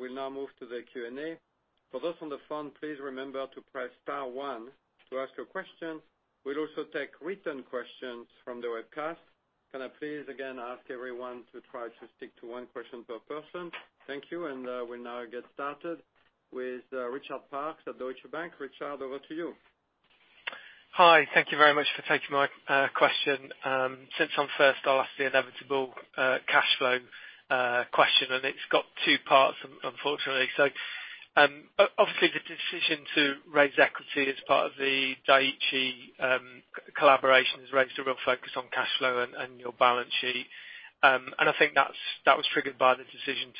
we'll now move to the Q&A. For those on the phone, please remember to press star one to ask your questions. We'll also take written questions from the webcast. Can I please again ask everyone to try to stick to one question per person? Thank you. We'll now get started with Richard Parkes at Deutsche Bank. Richard, over to you. Hi. Thank you very much for taking my question. Since I'm first, I'll ask the inevitable cash flow question, and it's got two parts, unfortunately. Obviously, the decision to raise equity as part of the Daiichi collaboration has raised a real focus on cash flow and your balance sheet. I think that was triggered by the decision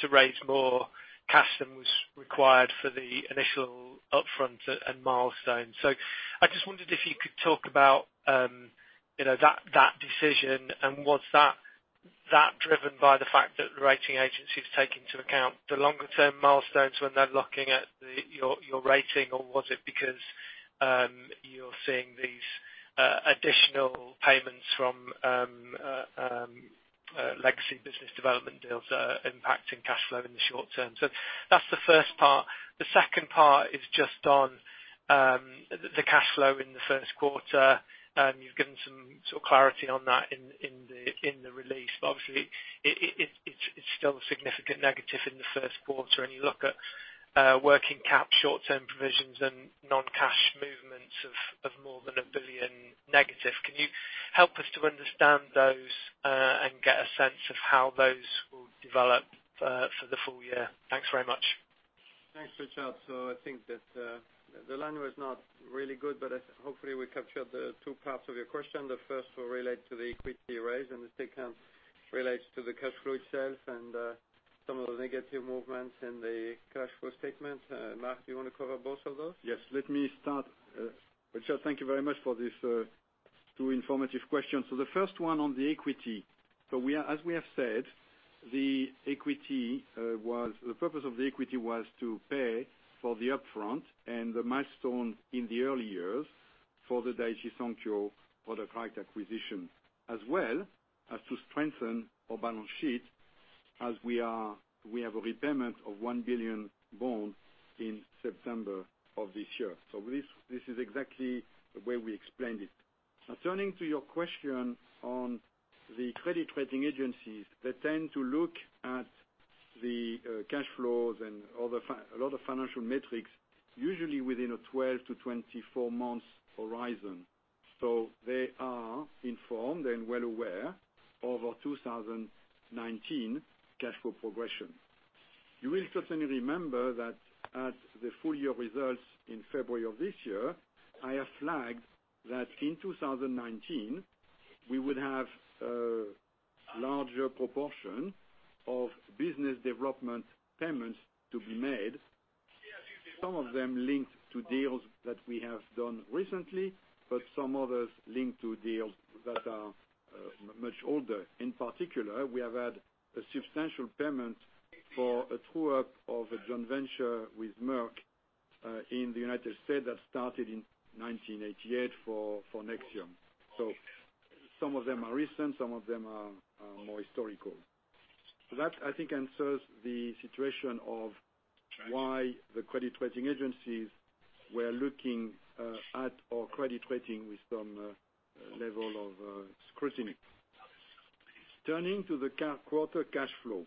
to raise more cash than was required for the initial upfront and milestones. I just wondered if you could talk about that decision, and was that driven by the fact that the rating agencies take into account the longer-term milestones when they're looking at your rating, or was it because you're seeing these additional payments from legacy business development deals impacting cash flow in the short term? That's the first part. The second part is just on the cash flow in the first quarter. You've given some sort of clarity on that in the release, but obviously, it's still a significant negative in the first quarter and you look at working cap short-term provisions and non-cash movements of more than $1 billion negative. Can you help us to understand those, and get a sense of how those will develop for the full year? Thanks very much. Thanks, Richard. I think that the line was not really good, but hopefully we captured the two parts of your question. The first will relate to the equity raise, and the second relates to the cash flow itself and some of the negative movements in the cash flow statement. Marc, do you want to cover both of those? Yes. Let me start. Richard, thank you very much for these two informative questions. The first one on the equity. As we have said, the purpose of the equity was to pay for the upfront and the milestone in the early years for the Daiichi Sankyo product rights acquisition, as well as to strengthen our balance sheet as we have a repayment of a $1 billion bond in September of this year. This is exactly the way we explained it. Now turning to your question on the credit rating agencies, they tend to look at the cash flows and a lot of financial metrics usually within a 12 to 24 months horizon. They are informed and well aware of our 2019 cash flow progression. You will certainly remember that at the full year results in February of this year, I have flagged that in 2019, we would have a larger proportion of business development payments to be made, some of them linked to deals that we have done recently, but some others linked to deals that are much older. In particular, we have had a substantial payment for a true-up of a joint venture with Merck, in the United States that started in 1988 for NEXIUM. Some of them are recent, some of them are more historical. That, I think, answers the situation of why the credit rating agencies were looking at our credit rating with some level of scrutiny. Turning to the quarter cash flow,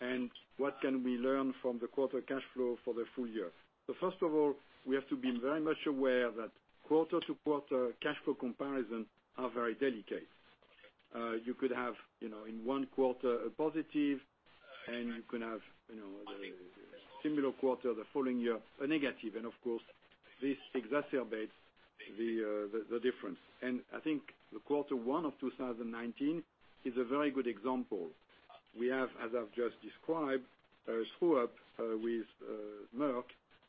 and what can we learn from the quarter cash flow for the full year. First of all, we have to be very much aware that quarter-to-quarter cash flow comparison are very delicate. You could have in one quarter a positive, and you can have similar quarter the following year, a negative. Of course, this exacerbates the difference. I think the quarter one of 2019 is a very good example. We have, as I've just described, a true-up with Merck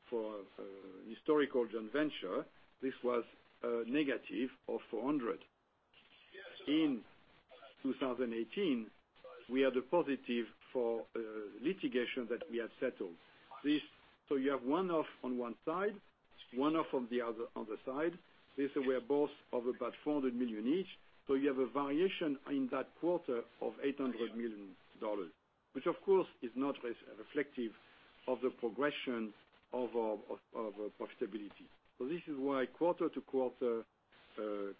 for a historical joint venture. This was a negative of $400 million. In 2018, we had a positive for a litigation that we had settled. You have one-off on one side, one-off on the other side. These were both of about $400 million each. You have a variation in that quarter of $800 million, which of course is not as reflective of the progression of our profitability. This is why quarter-to-quarter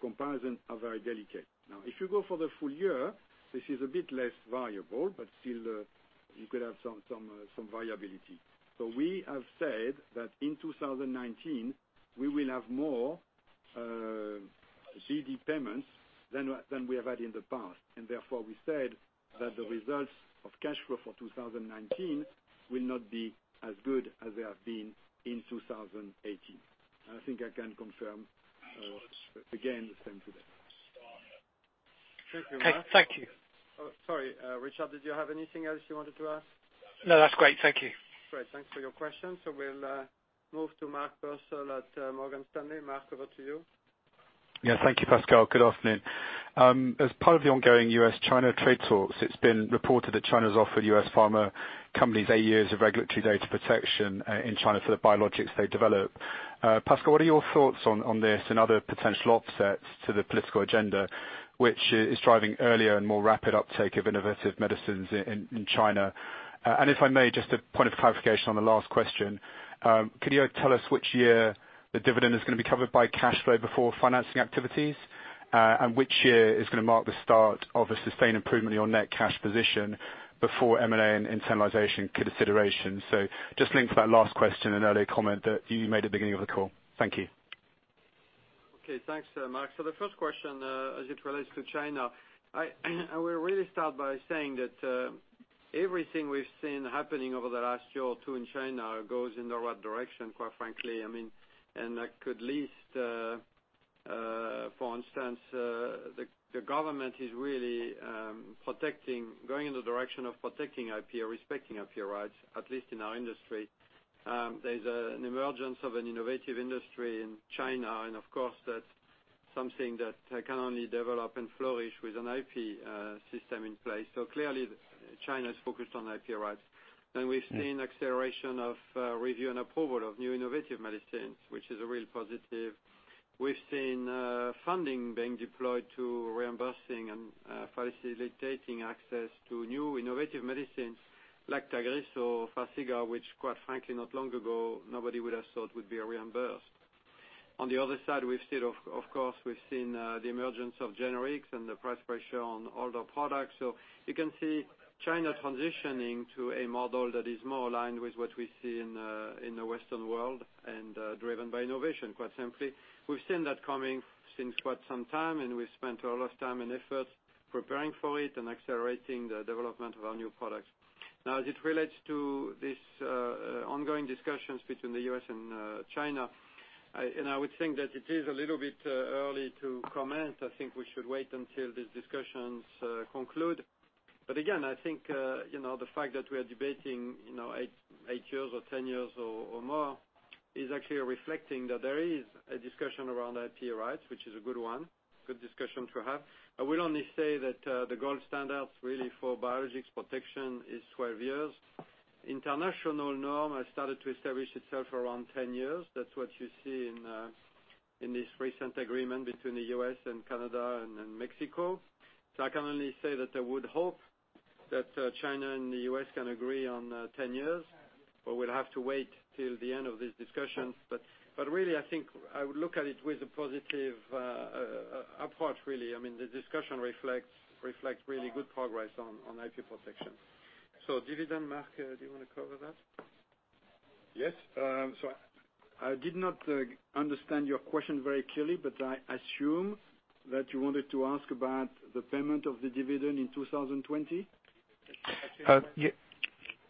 comparisons are very delicate. Now, if you go for the full year, this is a bit less variable, but still, you could have some variability. We have said that in 2019, we will have more BD payments than we have had in the past, and therefore we said that the results of cash flow for 2019 will not be as good as they have been in 2018. I think I can confirm, again, the same today. Thank you. Sorry, Richard, did you have anything else you wanted to ask? No, that's great. Thank you. Great. Thanks for your question. We'll move to Mark Purcell at Morgan Stanley. Mark, over to you. Yeah. Thank you, Pascal. Good afternoon. As part of the ongoing U.S.-China trade talks, it's been reported that China's offered U.S. pharma companies eight years of regulatory data protection in China for the biologics they develop. Pascal, what are your thoughts on this and other potential offsets to the political agenda, which is driving earlier and more rapid uptake of innovative medicines in China? If I may, just a point of clarification on the last question. Could you tell us which year the dividend is going to be covered by cash flow before financing activities? Which year is going to mark the start of a sustained improvement on your net cash position before M&A and internalization consideration? Just linked to that last question and earlier comment that you made at the beginning of the call. Thank you. Okay. Thanks, Mark. The first question, as it relates to China, I will really start by saying that everything we've seen happening over the last year or two in China goes in the right direction, quite frankly. I mean, I could list, for instance, the government is really going in the direction of protecting IP or respecting IP rights, at least in our industry. There's an emergence of an innovative industry in China, and of course, that's something that can only develop and flourish with an IP system in place. Clearly, China is focused on IP rights. We've seen acceleration of review and approval of new innovative medicines, which is a real positive. We've seen funding being deployed to reimbursing and facilitating access to new innovative medicines like TAGRISSO or FARXIGA, which quite frankly not long ago, nobody would have thought would be reimbursed. On the other side, of course, we've seen the emergence of generics and the price pressure on all the products. You can see China transitioning to a model that is more aligned with what we see in the Western world and driven by innovation, quite simply. We've seen that coming since quite some time, and we've spent a lot of time and effort preparing for it and accelerating the development of our new products. Now, as it relates to this ongoing discussions between the U.S. and China, I would think that it is a little bit early to comment. I think we should wait until these discussions conclude. Again, I think, the fact that we are debating eight years or 10 years or more is actually reflecting that there is a discussion around IP rights, which is a good one. Good discussion to have. I will only say that the gold standard really for biologics protection is 12 years. International norm has started to establish itself around 10 years. That's what you see in this recent agreement between the U.S. and Canada and Mexico. I can only say that I would hope that China and the U.S. can agree on 10 years, but we'll have to wait till the end of these discussions. Really, I think I would look at it with a positive approach, really. The discussion reflects really good progress on IP protection. Dividend, Marc, do you want to cover that? Yes. I did not understand your question very clearly, but I assume that you wanted to ask about the payment of the dividend in 2020.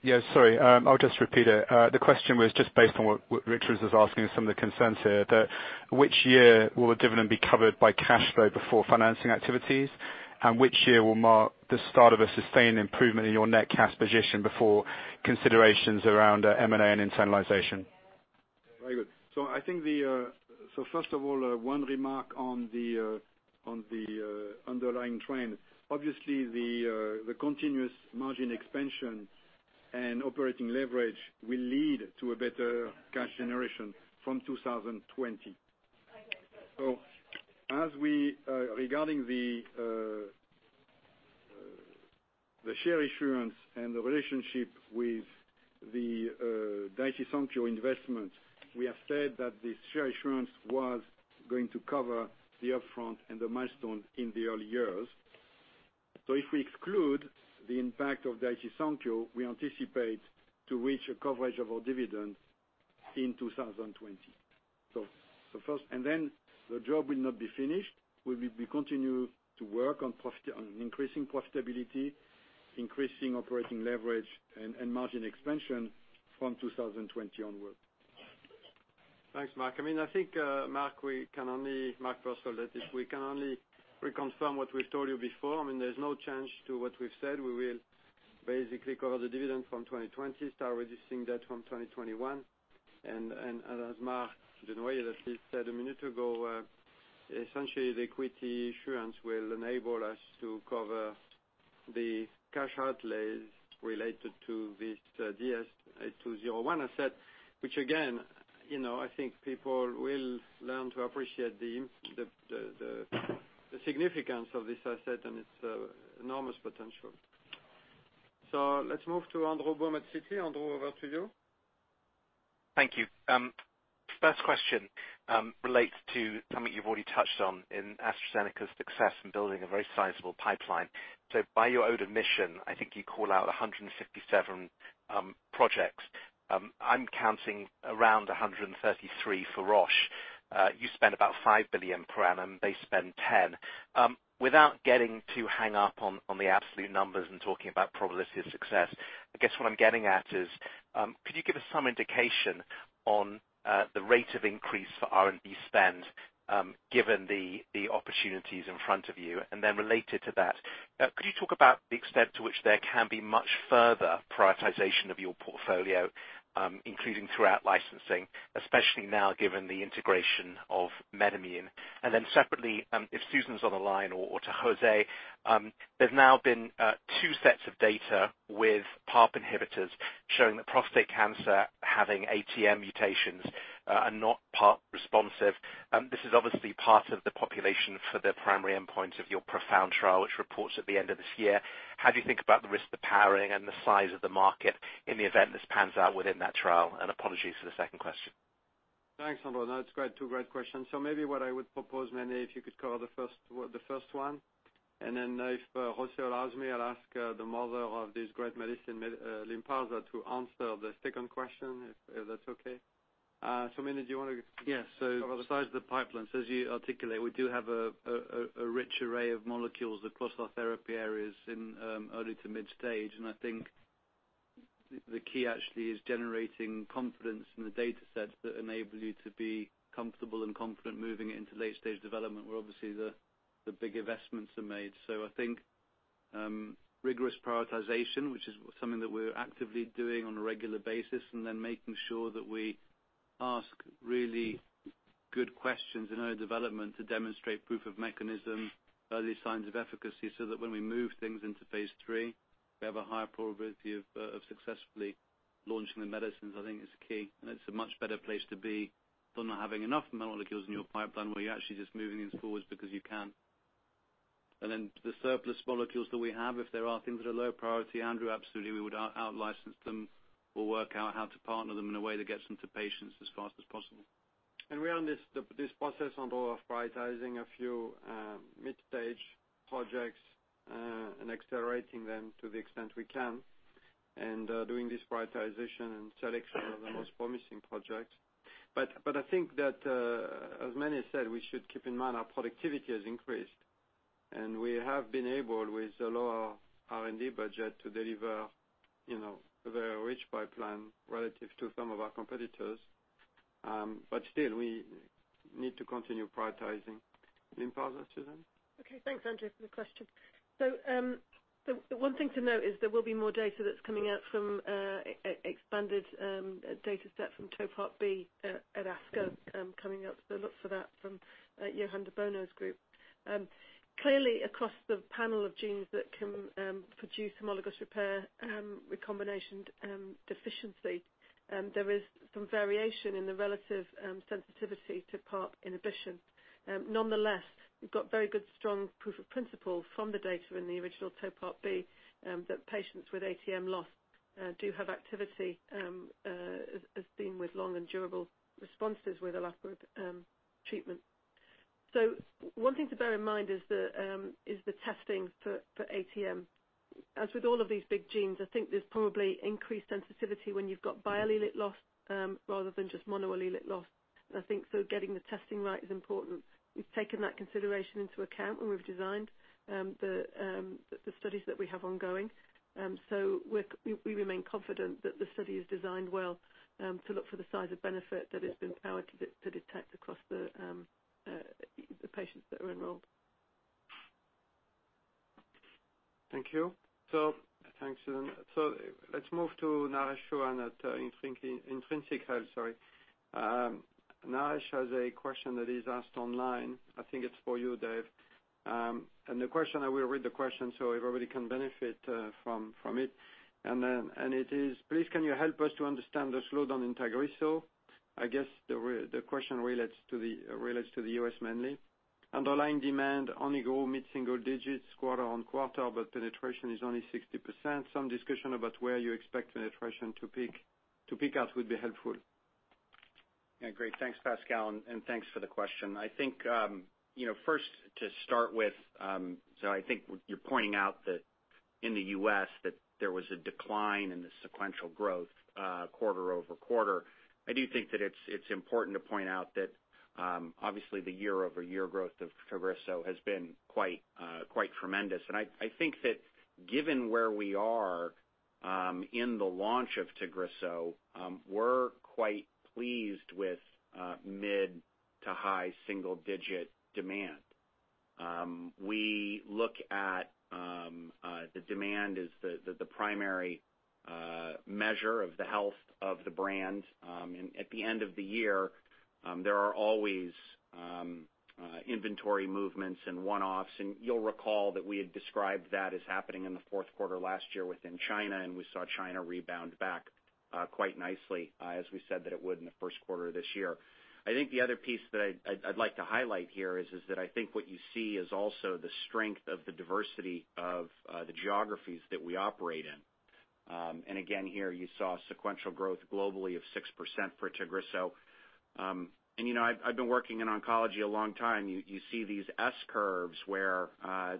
Yeah, sorry. I'll just repeat it. The question was just based on what Richard is asking and some of the concerns here that which year will the dividend be covered by cash flow before financing activities? Which year will mark the start of a sustained improvement in your net cash position before considerations around M&A and internalization? Very good. First of all, one remark on the underlying trend. Obviously, the continuous margin expansion and operating leverage will lead to a better cash generation from 2020. Regarding the share issuance and the relationship with the Daiichi Sankyo investment, we have said that the share issuance was going to cover the upfront and the milestone in the early years. If we exclude the impact of Daiichi Sankyo, we anticipate to reach a coverage of our dividend in 2020. The job will not be finished. We continue to work on increasing profitability, increasing operating leverage and margin expansion from 2020 onward. Thanks, Marc. I think, Mark, we can only reconfirm what we've told you before. There's no change to what we've said. We will basically cover the dividend from 2020, start reducing debt from 2021. As Marc Dunoyer had at least said a minute ago, essentially the equity issuance will enable us to cover the cash outlays related to this DS-8201 asset, which again, I think people will learn to appreciate the significance of this asset and its enormous potential. Let's move to Andrew Baum at Citi. Andrew, over to you. Thank you. First question relates to something you've already touched on in AstraZeneca's success in building a very sizable pipeline. By your own admission, I think you call out 157 projects. I'm counting around 133 for Roche. You spend about $5 billion per annum, they spend $10 billion. Without getting too hung up on the absolute numbers and talking about probability of success, I guess what I'm getting at is, could you give us some indication on the rate of increase for R&D spend, given the opportunities in front of you? Related to that, could you talk about the extent to which there can be much further prioritization of your portfolio, including out-licensing, especially now given the integration of MedImmune? Separately, if Susan's on the line or to José, there's now been two sets of data with PARP inhibitors showing that prostate cancer having ATM mutations are not PARP responsive. This is obviously part of the population for the primary endpoint of your PROfound trial, which reports at the end of this year. How do you think about the risk of powering and the size of the market in the event this pans out within that trial? Apologies for the second question. Thanks, Andrew. It's two great questions. Maybe what I would propose, Mene, if you could cover the first one. If José allows me, I'll ask the mother of this great medicine, LYNPARZA, to answer the second question, if that's okay. Mene, do you want to- Besides the pipelines, as you articulate, we do have a rich array of molecules across our therapy areas in early to mid-stage. I think the key actually is generating confidence in the data sets that enable you to be comfortable and confident moving into late-stage development where obviously the big investments are made. I think rigorous prioritization, which is something that we're actively doing on a regular basis, making sure that we ask really good questions in our development to demonstrate proof of mechanism, early signs of efficacy, that when we move things into phase III, we have a higher probability of successfully launching the medicines, I think is key. It's a much better place to be than not having enough molecules in your pipeline where you're actually just moving things forward because you can. The surplus molecules that we have, if there are things that are low priority, Andrew, absolutely we would out-license them. We'll work out how to partner them in a way that gets them to patients as fast as possible. We are in this process, Andrew, of prioritizing a few mid-stage projects, and accelerating them to the extent we can, and doing this prioritization and selection of the most promising projects. I think that, as Mene said, we should keep in mind our productivity has increased. We have been able, with a lower R&D budget, to deliver a very rich pipeline relative to some of our competitors. Still, we need to continue prioritizing LYNPARZA, Susan? Okay. Thanks, Andrew, for the question. The one thing to note is there will be more data that's coming out from expanded dataset from TOPARP-B at ASCO coming up, look for that from Johann de Bono's group. Clearly, across the panel of genes that can produce homologous repair, recombination deficiency, there is some variation in the relative sensitivity to PARP inhibition. Nonetheless, we've got very good, strong proof of principle from the data in the original TOPARP-B that patients with ATM loss do have activity, as seen with long and durable responses with olaparib treatment. One thing to bear in mind is the testing for ATM. As with all of these big genes, I think there's probably increased sensitivity when you've got biallelic loss rather than just monoallelic loss. I think so getting the testing right is important. We've taken that consideration into account when we've designed the studies that we have ongoing. We remain confident that the study is designed well to look for the size of benefit that is empowered to detect across the patients that are enrolled. Thank you. Thanks, Susan. Let's move to Naresh Chouhan at Intron, Intrinsic Health, sorry. Naresh has a question that is asked online. I think it's for you, Dave. I will read the question so everybody can benefit from it. It is: Please, can you help us to understand the slowdown in TAGRISSO? I guess the question relates to the U.S. mainly. Underlying demand only grew mid-single digits quarter-on-quarter, but penetration is only 60%. Some discussion about where you expect penetration to peak out would be helpful. Yeah, great. Thanks, Pascal, and thanks for the question. I think first to start with, I think you're pointing out that in the U.S. that there was a decline in the sequential growth quarter-over-quarter. I do think that it's important to point out that obviously the year-over-year growth of TAGRISSO has been quite tremendous. I think that given where we are in the launch of TAGRISSO, we're quite pleased with mid to high single-digit demand. We look at the demand as the primary measure of the health of the brand. At the end of the year, there are always inventory movements and one-offs, and you'll recall that we had described that as happening in the fourth quarter last year within China, and we saw China rebound back quite nicely as we said that it would in the first quarter of this year. I think the other piece that I'd like to highlight here is that I think what you see is also the strength of the diversity of the geographies that we operate in. Again, here you saw sequential growth globally of 6% for TAGRISSO. I've been working in oncology a long time. You see these S curves where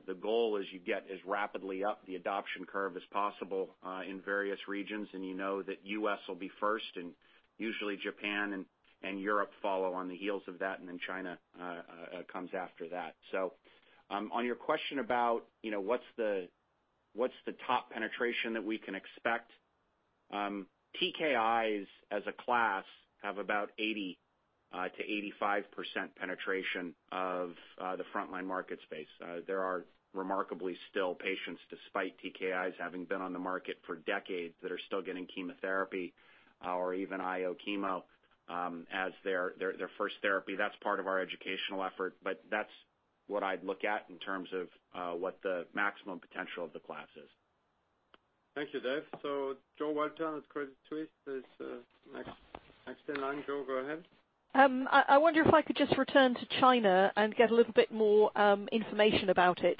the goal is you get as rapidly up the adoption curve as possible, in various regions, you know that U.S. will be first, usually Japan and Europe follow on the heels of that, then China comes after that. On your question about what's the top penetration that we can expect? TKIs as a class have about 80%-85% penetration of the frontline market space. There are remarkably still patients, despite TKIs having been on the market for decades, that are still getting chemotherapy or even IO chemo as their first therapy. That's part of our educational effort, but that's what I'd look at in terms of what the maximum potential of the class is. Thank you, Dave. Jo Walton at Credit Suisse is next in line. Jo, go ahead. I wonder if I could just return to China and get a little bit more information about it.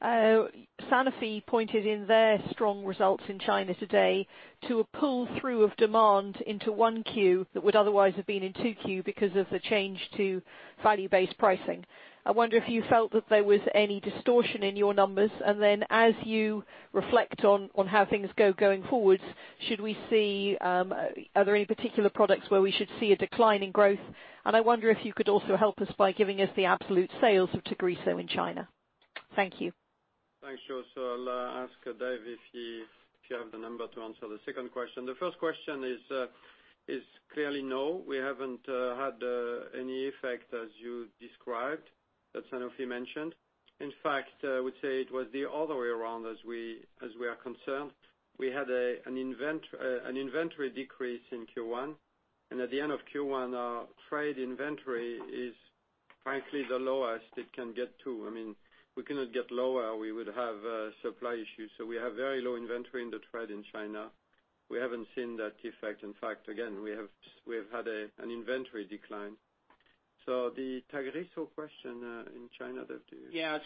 Sanofi pointed in their strong results in China today to a pull-through of demand into 1Q that would otherwise have been in 2Q because of the change to value-based pricing. I wonder if you felt that there was any distortion in your numbers, as you reflect on how things go going forwards, are there any particular products where we should see a decline in growth? I wonder if you could also help us by giving us the absolute sales of TAGRISSO in China. Thank you. Thanks, Jo. I'll ask Dave if you have the number to answer the second question. The first question is clearly no, we haven't had any effect as you described that Sanofi mentioned. In fact, I would say it was the other way around as we are concerned. We had an inventory decrease in Q1, at the end of Q1, our trade inventory is frankly the lowest it can get to. We cannot get lower or we would have supply issues. We have very low inventory in the trade in China. We haven't seen that effect. In fact, again, we have had an inventory decline. The TAGRISSO question in China, Dave, do you- Yeah.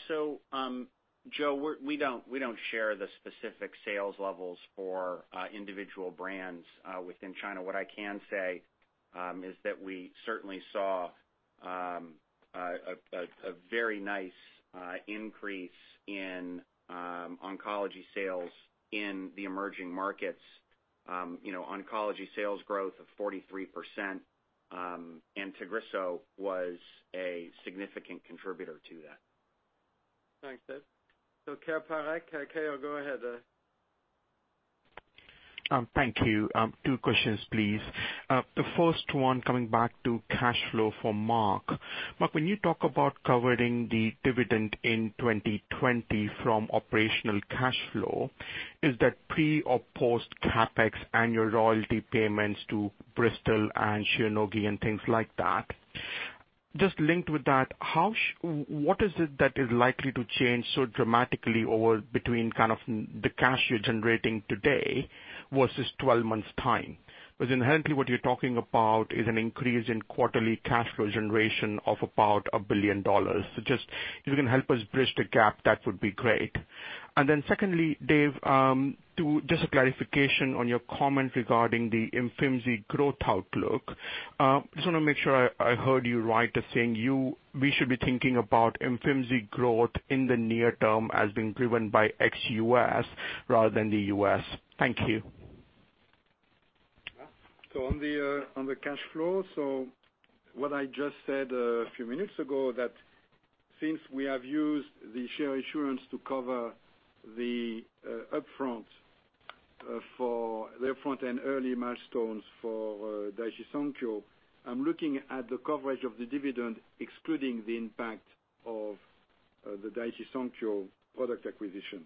Jo, we don't share the specific sales levels for individual brands within China. What I can say is that we certainly saw a very nice increase in oncology sales in the emerging markets. Oncology sales growth of 43%, TAGRISSO was a significant contributor to that. Thanks, Dave. [inaudible] go ahead. Thank you. Two questions, please. The first one, coming back to cash flow for Marc. Marc, when you talk about covering the dividend in 2020 from operational cash flow, is that pre or post CapEx and your royalty payments to Bristol and Shionogi and things like that? Just linked with that, what is it that is likely to change so dramatically between the cash you're generating today versus 12 months' time? Because inherently what you're talking about is an increase in quarterly cash flow generation of about $1 billion. Just if you can help us bridge the gap, that would be great. Secondly, Dave, just a clarification on your comment regarding the IMFINZI growth outlook. Just want to make sure I heard you right as saying we should be thinking about IMFINZI growth in the near term as being driven by ex-U.S. rather than the U.S. Thank you. On the cash flow, what I just said a few minutes ago, that since we have used the share issuance to cover the upfront and early milestones for Daiichi Sankyo, I'm looking at the coverage of the dividend, excluding the impact of the Daiichi Sankyo product acquisition.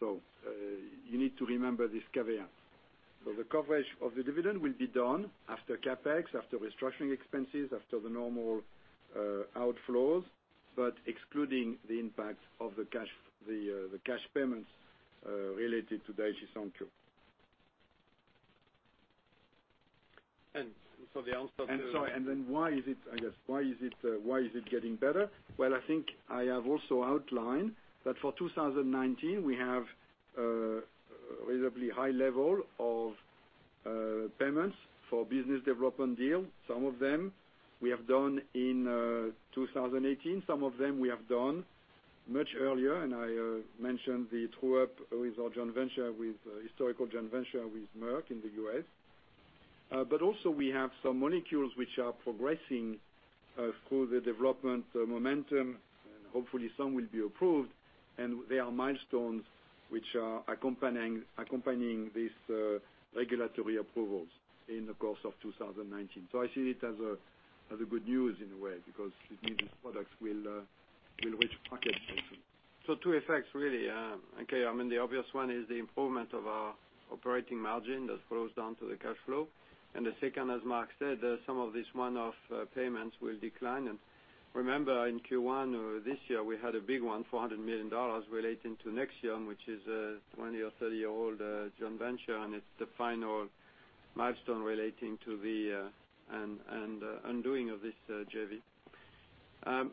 You need to remember this caveat. The coverage of the dividend will be done after CapEx, after restructuring expenses, after the normal outflows, but excluding the impact of the cash payments related to Daiichi Sankyo. For the answer. Sorry, why is it getting better? Well, I think I have also outlined that for 2019, we have a reasonably high level of payments for business development deals. Some of them we have done in 2018. Some of them we have done much earlier. I mentioned the true-up with our historical joint venture with Merck in the U.S. Also we have some molecules which are progressing through the development momentum, and hopefully some will be approved. There are milestones which are accompanying these regulatory approvals in the course of 2019. I see it as a good news in a way, because it means these products will reach the market later. Two effects really, okay. I mean, the obvious one is the improvement of our operating margin that flows down to the cash flow. The second, as Marc said, some of these one-off payments will decline. Remember, in Q1 this year, we had a big one, $400 million relating to NEXIUM, which is a 20 or 30-year-old joint venture, and it's the final milestone relating to the undoing of this JV. I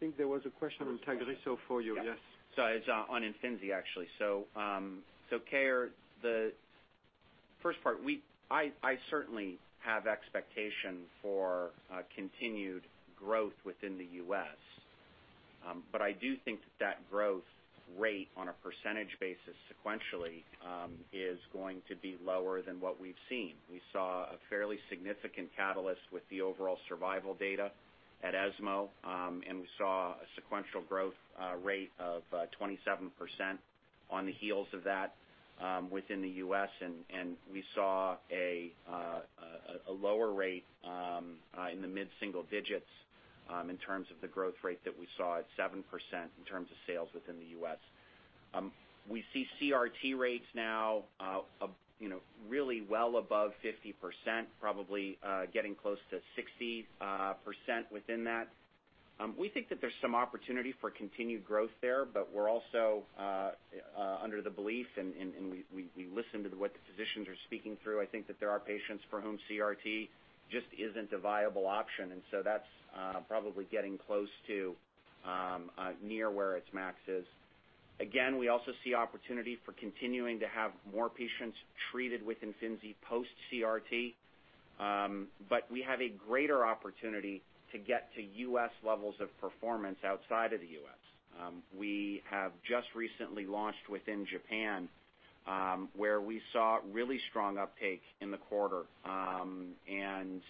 think there was a question on TAGRISSO for you. Yes. It's on IMFINZI, actually. Kay, the first part, I certainly have expectation for continued growth within the U.S. I do think that growth rate on a percentage basis sequentially, is going to be lower than what we've seen. We saw a fairly significant catalyst with the overall survival data at ESMO, and we saw a sequential growth rate of 27% on the heels of that within the U.S., and we saw a lower rate in the mid-single digits in terms of the growth rate that we saw at 7% in terms of sales within the U.S. We see CRT rates now really well above 50%, probably getting close to 60% within that. We think that there's some opportunity for continued growth there, but we're also under the belief, and we listen to what the physicians are speaking through. I think that there are patients for whom CRT just isn't a viable option. That's probably getting close to near where its max is. Again, we also see opportunity for continuing to have more patients treated with IMFINZI post-CRT. We have a greater opportunity to get to U.S. levels of performance outside of the U.S. We have just recently launched within Japan, where we saw really strong uptake in the quarter, and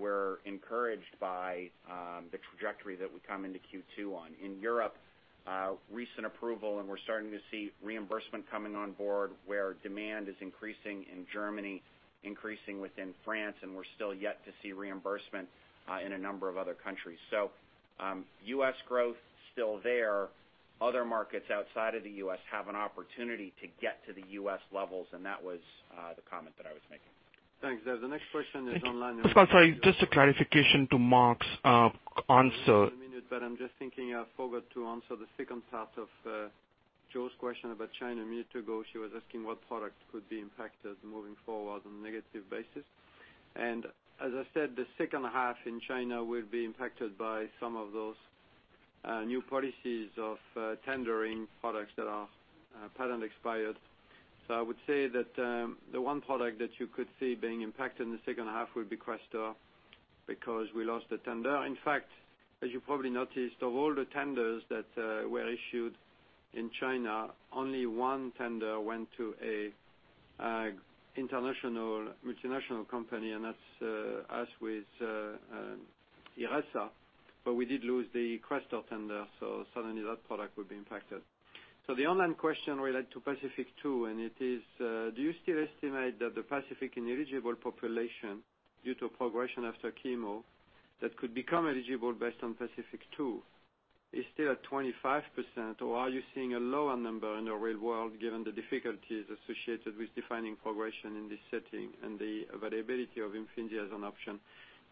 we're encouraged by the trajectory that we come into Q2 on. In Europe, recent approval, and we're starting to see reimbursement coming on board where demand is increasing in Germany, increasing within France, and we're still yet to see reimbursement in a number of other countries. U.S. growth still there. Other markets outside of the U.S. have an opportunity to get to the U.S. levels, and that was the comment that I was making. Thanks, Dave. The next question is online- Sorry, just a clarification to Marc's answer. I'm just thinking I forgot to answer the second part of Jo's question about China a minute ago. She was asking what product could be impacted moving forward on a negative basis. As I said, the second half in China will be impacted by some of those new policies of tendering products that are patent expired. I would say that the one product that you could see being impacted in the second half would be CRESTOR because we lost the tender. In fact, as you probably noticed, of all the tenders that were issued in China, only one tender went to a international multinational company, that's us with IRESSA. We did lose the CRESTOR tender. Suddenly that product will be impacted. The online question related to PACIFIC-2, and it is: Do you still estimate that the PACIFIC-ineligible population, due to progression after chemo, that could become eligible based on PACIFIC-2, is still at 25%, or are you seeing a lower number in the real world given the difficulties associated with defining progression in this setting and the availability of IMFINZI as an option?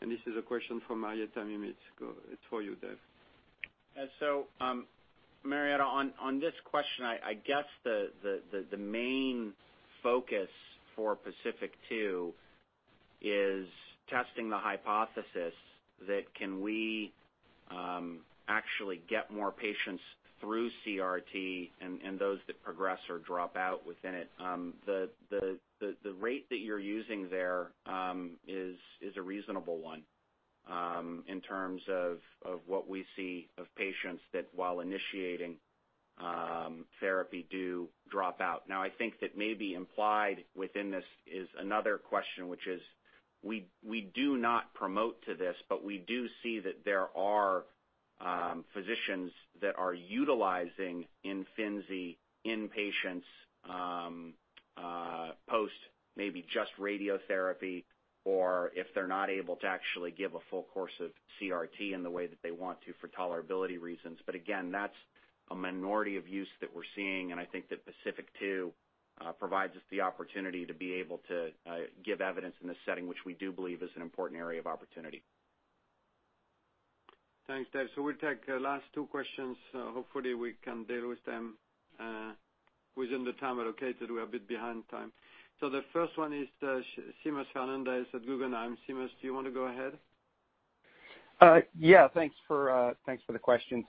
This is a question from Marietta Mims. It's for you, Dave. Marietta, on this question, I guess the main focus for PACIFIC-2 is testing the hypothesis that can we actually get more patients through CRT and those that progress or drop out within it. The rate that you're using there is a reasonable one in terms of what we see of patients that while initiating therapy, do drop out. I think that may be implied within this is another question, which is we do not promote to this. We do see that there are physicians that are utilizing IMFINZI in patients post maybe just radiotherapy or if they're not able to actually give a full course of CRT in the way that they want to for tolerability reasons. Again, that's a minority of use that we're seeing. I think that PACIFIC-2 provides us the opportunity to be able to give evidence in this setting, which we do believe is an important area of opportunity. Thanks, Dave. We'll take the last two questions. Hopefully, we can deal with them within the time allocated. We're a bit behind time. The first one is Seamus Fernandez at Guggenheim. Seamus, do you want to go ahead? Yeah. Thanks for the question.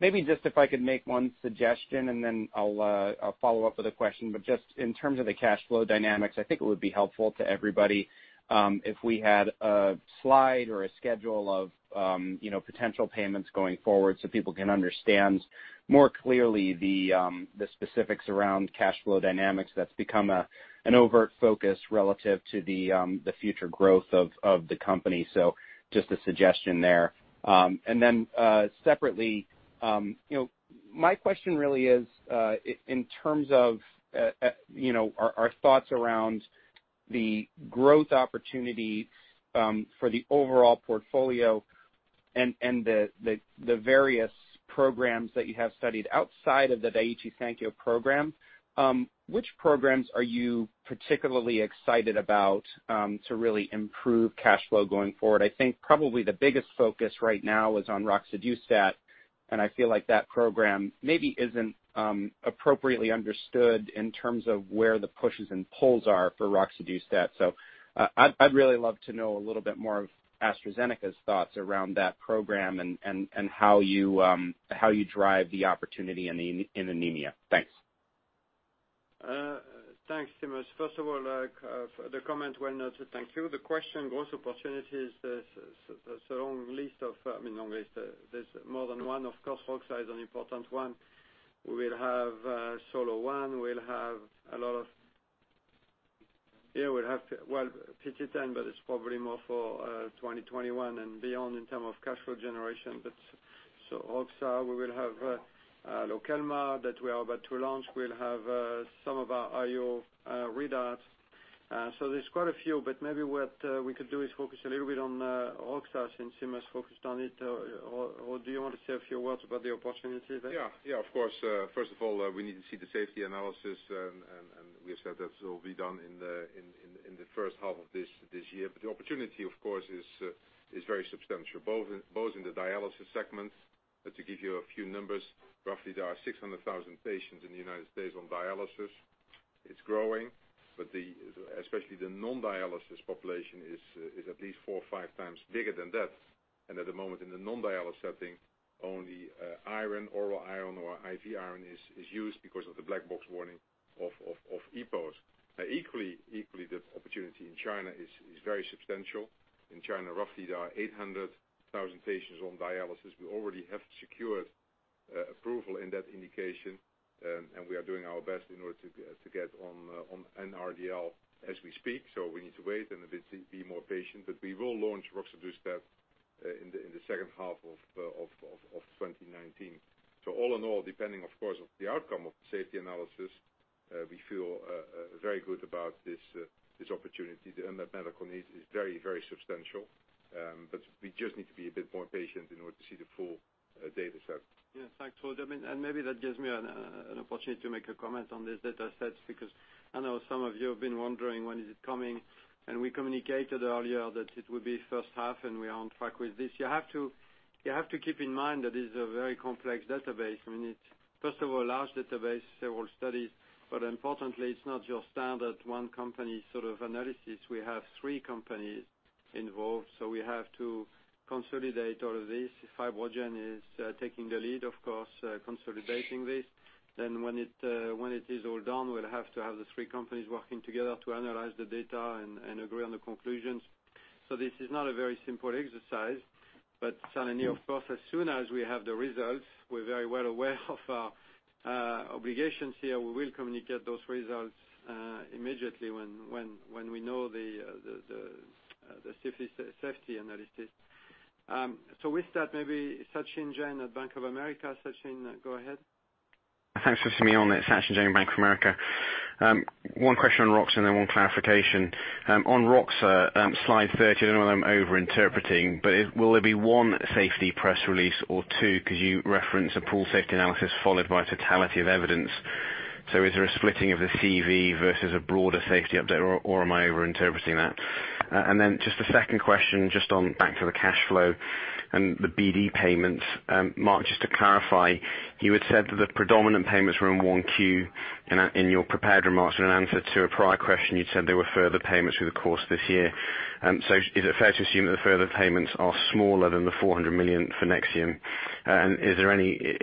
Maybe just if I could make one suggestion, and then I'll follow up with a question. Just in terms of the cash flow dynamics, I think it would be helpful to everybody if we had a slide or a schedule of potential payments going forward so people can understand more clearly the specifics around cash flow dynamics that's become an overt focus relative to the future growth of the company. Just a suggestion there. Separately, my question really is in terms of our thoughts around the growth opportunity for the overall portfolio and the various programs that you have studied outside of the Daiichi Sankyo program. Which programs are you particularly excited about to really improve cash flow going forward? I think probably the biggest focus right now is on roxadustat, and I feel like that program maybe isn't appropriately understood in terms of where the pushes and pulls are for roxadustat. I'd really love to know a little bit more of AstraZeneca's thoughts around that program and how you drive the opportunity in anemia. Thanks. Thanks, Seamus. First of all, for the comment, well noted. Thank you. The question, growth opportunities, there's a long list of. Not long list. There's more than one. Of course, roxa is an important one. We'll have SOLO-1; we'll have PT010, but it's probably more for 2021 and beyond in terms of cash flow generation. Roxa, we will have LOKELMA that we are about to launch. We'll have some of our IO readouts. There's quite a few, but maybe what we could do is focus a little bit on roxa since Seamus focused on it. Do you want to say a few words about the opportunity, Ruud? Yeah, of course. First of all, we need to see the safety analysis, we have said that will be done in the first half of this year. The opportunity, of course, is very substantial, both in the dialysis segment. To give you a few numbers, roughly there are 600,000 patients in the United States on dialysis. It's growing, but especially the non-dialysis population is at least four or five times bigger than that. At the moment, in the non-dialysis setting, only oral iron or IV iron is used because of the black box warning of EPOs. Equally, the opportunity in China is very substantial. In China, roughly there are 800,000 patients on dialysis. We already have secured approval in that indication, we are doing our best in order to get on an NRDL as we speak. We need to wait and be more patient, but we will launch roxadustat in the second half of 2019. All in all, depending, of course, on the outcome of the safety analysis, we feel very good about this opportunity. The unmet medical need is very substantial. We just need to be a bit more patient in order to see the full data set. Yeah. Thanks, Ruud Dobber. Maybe that gives me an opportunity to make a comment on these data sets because I know some of you have been wondering, when is it coming? We communicated earlier that it would be first half, we are on track with this. You have to keep in mind that it's a very complex database. It's first of all, a large database, several studies, but importantly, it's not your standard one-company sort of analysis. We have three companies involved, so we have to consolidate all of this. FibroGen is taking the lead, of course, consolidating this. When it is all done, we'll have to have the three companies working together to analyze the data and agree on the conclusions. This is not a very simple exercise, but certainly, of course, as soon as we have the results, we're very well aware of our obligations here. We will communicate those results immediately when we know the safety analysis. With that, maybe Sachin Jain at Bank of America. Sachin, go ahead. Thanks for setting me on. It's Sachin Jain, Bank of America. One question on roxa and then one clarification. On roxa, slide 30, I don't know whether I'm over-interpreting, but will there be one safety press release or two? Because you reference a pool safety analysis followed by totality of evidence. Is there a splitting of the CV versus a broader safety update, or am I over-interpreting that? Just a second question, just on back to the cash flow and the BD payments. Marc, just to clarify, you had said that the predominant payments were in 1Q in your prepared remarks. In an answer to a prior question, you'd said there were further payments through the course of this year. Is it fair to assume that the further payments are smaller than the $400 million for NEXIUM? Is there any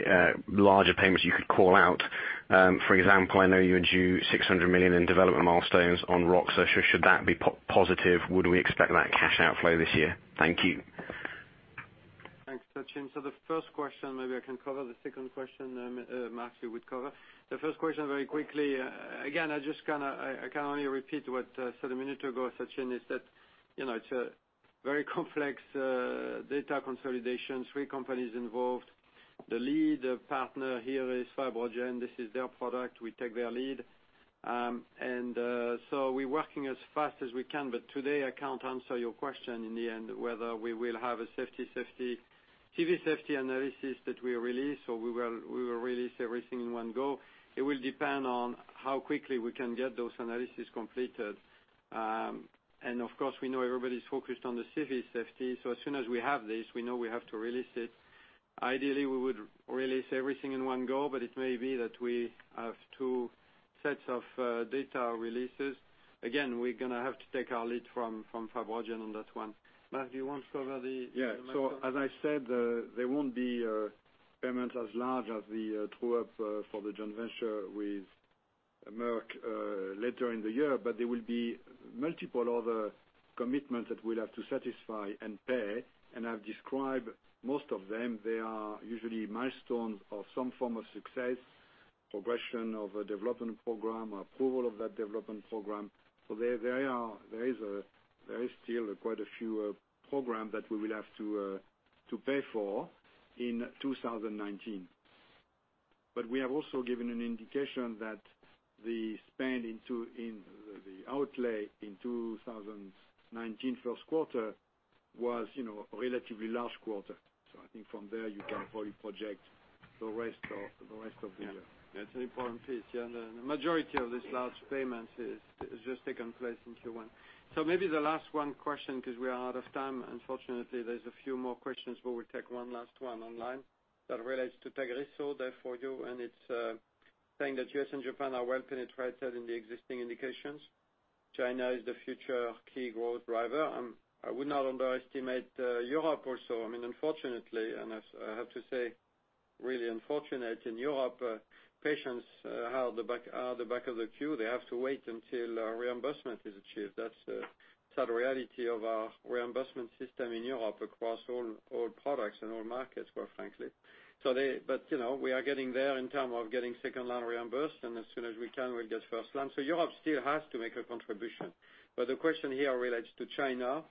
larger payments you could call out? For example, I know you're due $600 million in development milestones on roxa. Should that be positive? Would we expect that cash outflow this year? Thank you. Thanks, Sachin. The first question, maybe I can cover. The second question, Marc, you would cover. The first question very quickly. Again, I can only repeat what I said a minute ago, Sachin, is that it's a very complex data consolidation. Three companies involved. The lead partner here is FibroGen. This is their product. We take their lead. We're working as fast as we can, but today I can't answer your question in the end, whether we will have a CV safety analysis that we release, or we will release everything in one go. It will depend on how quickly we can get those analyses completed. Of course, we know everybody's focused on the CV safety, so as soon as we have this, we know we have to release it. Ideally, we would release everything in one go, but it may be that we have two sets of data releases. Again, we're going to have to take our lead from FibroGen on that one. Marc, do you want to cover the- Yeah. As I said, there won't be payments as large as the true-up for the joint venture with Merck later in the year, there will be multiple other commitments that we'll have to satisfy and pay. I've described most of them. They are usually milestones or some form of success, progression of a development program, approval of that development program. There is still quite a few programs that we will have to pay for in 2019. We have also given an indication that the outlay in 2019 first quarter was a relatively large quarter. I think from there you can probably project the rest of the year. That's an important piece. Yeah. The majority of this large payment has just taken place in Q1. Maybe the last one question because we are out of time, unfortunately. There's a few more questions, but we'll take one last one online that relates to TAGRISSO there for you, and it's saying that U.S. and Japan are well penetrated in the existing indications. China is the future key growth driver. I would not underestimate Europe also. Unfortunately, and I have to say really unfortunate in Europe, patients are at the back of the queue. They have to wait until reimbursement is achieved. That's the sad reality of our reimbursement system in Europe across all products and all markets, quite frankly. We are getting there in term of getting second-line reimbursed, and as soon as we can, we'll get first line. Europe still has to make a contribution. The question here relates to China.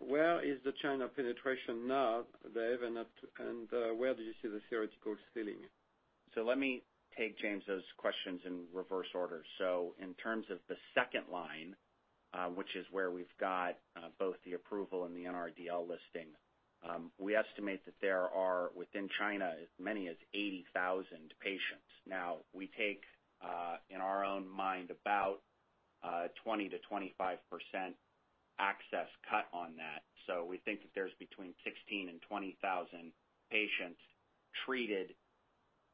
Where is the China penetration now, Dave, and where do you see the theoretical ceiling? Let me take, James, those questions in reverse order. In terms of the second line, which is where we've got both the approval and the NRDL listing, we estimate that there are, within China, as many as 80,000 patients. Now, we take, in our own mind, about 20%-25% access cut on that. We think that there's between 16,000 and 20,000 patients treated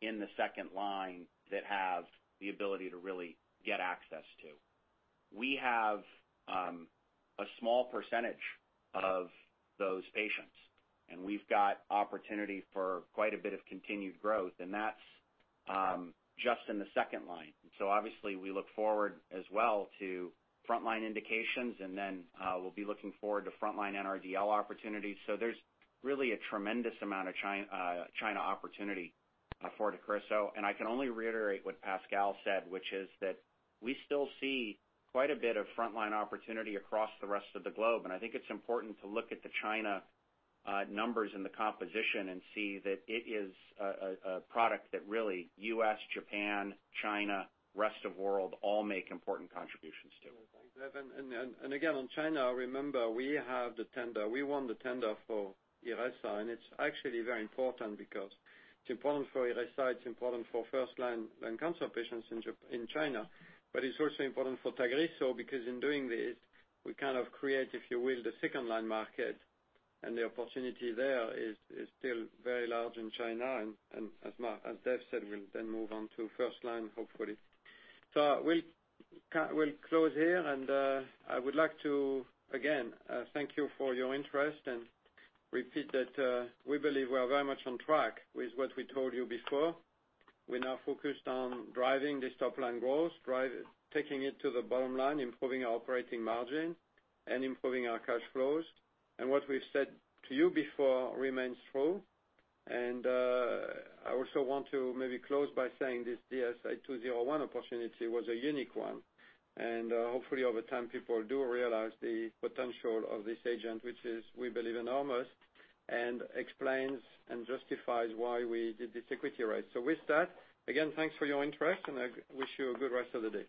in the second line that have the ability to really get access to. We have a small percentage of those patients, and we've got opportunity for quite a bit of continued growth, and that's just in the second line. Obviously we look forward as well to frontline indications, and then we'll be looking forward to frontline NRDL opportunities. There's really a tremendous amount of China opportunity for TAGRISSO. I can only reiterate what Pascal said, which is that we still see quite a bit of frontline opportunity across the rest of the globe. I think it's important to look at the China numbers and the composition and see that it is a product that really U.S., Japan, China, rest of world all make important contributions to. Thanks, Dave. Again, on China, remember, we won the tender for IRESSA, and it's actually very important because it's important for IRESSA, it's important for first-line lung cancer patients in China, but it's also important for TAGRISSO because in doing this, we kind of create, if you will, the second-line market and the opportunity there is still very large in China, and as Dave said, we'll then move on to first-line, hopefully. We'll close here and I would like to, again, thank you for your interest and repeat that we believe we are very much on track with what we told you before. We're now focused on driving this top-line growth, taking it to the bottom line, improving our operating margin and improving our cash flows. What we've said to you before remains true. I also want to maybe close by saying this DS-8201 opportunity was a unique one. Hopefully over time, people do realize the potential of this agent, which is, we believe, enormous and explains and justifies why we did this equity raise. With that, again, thanks for your interest and I wish you a good rest of the day.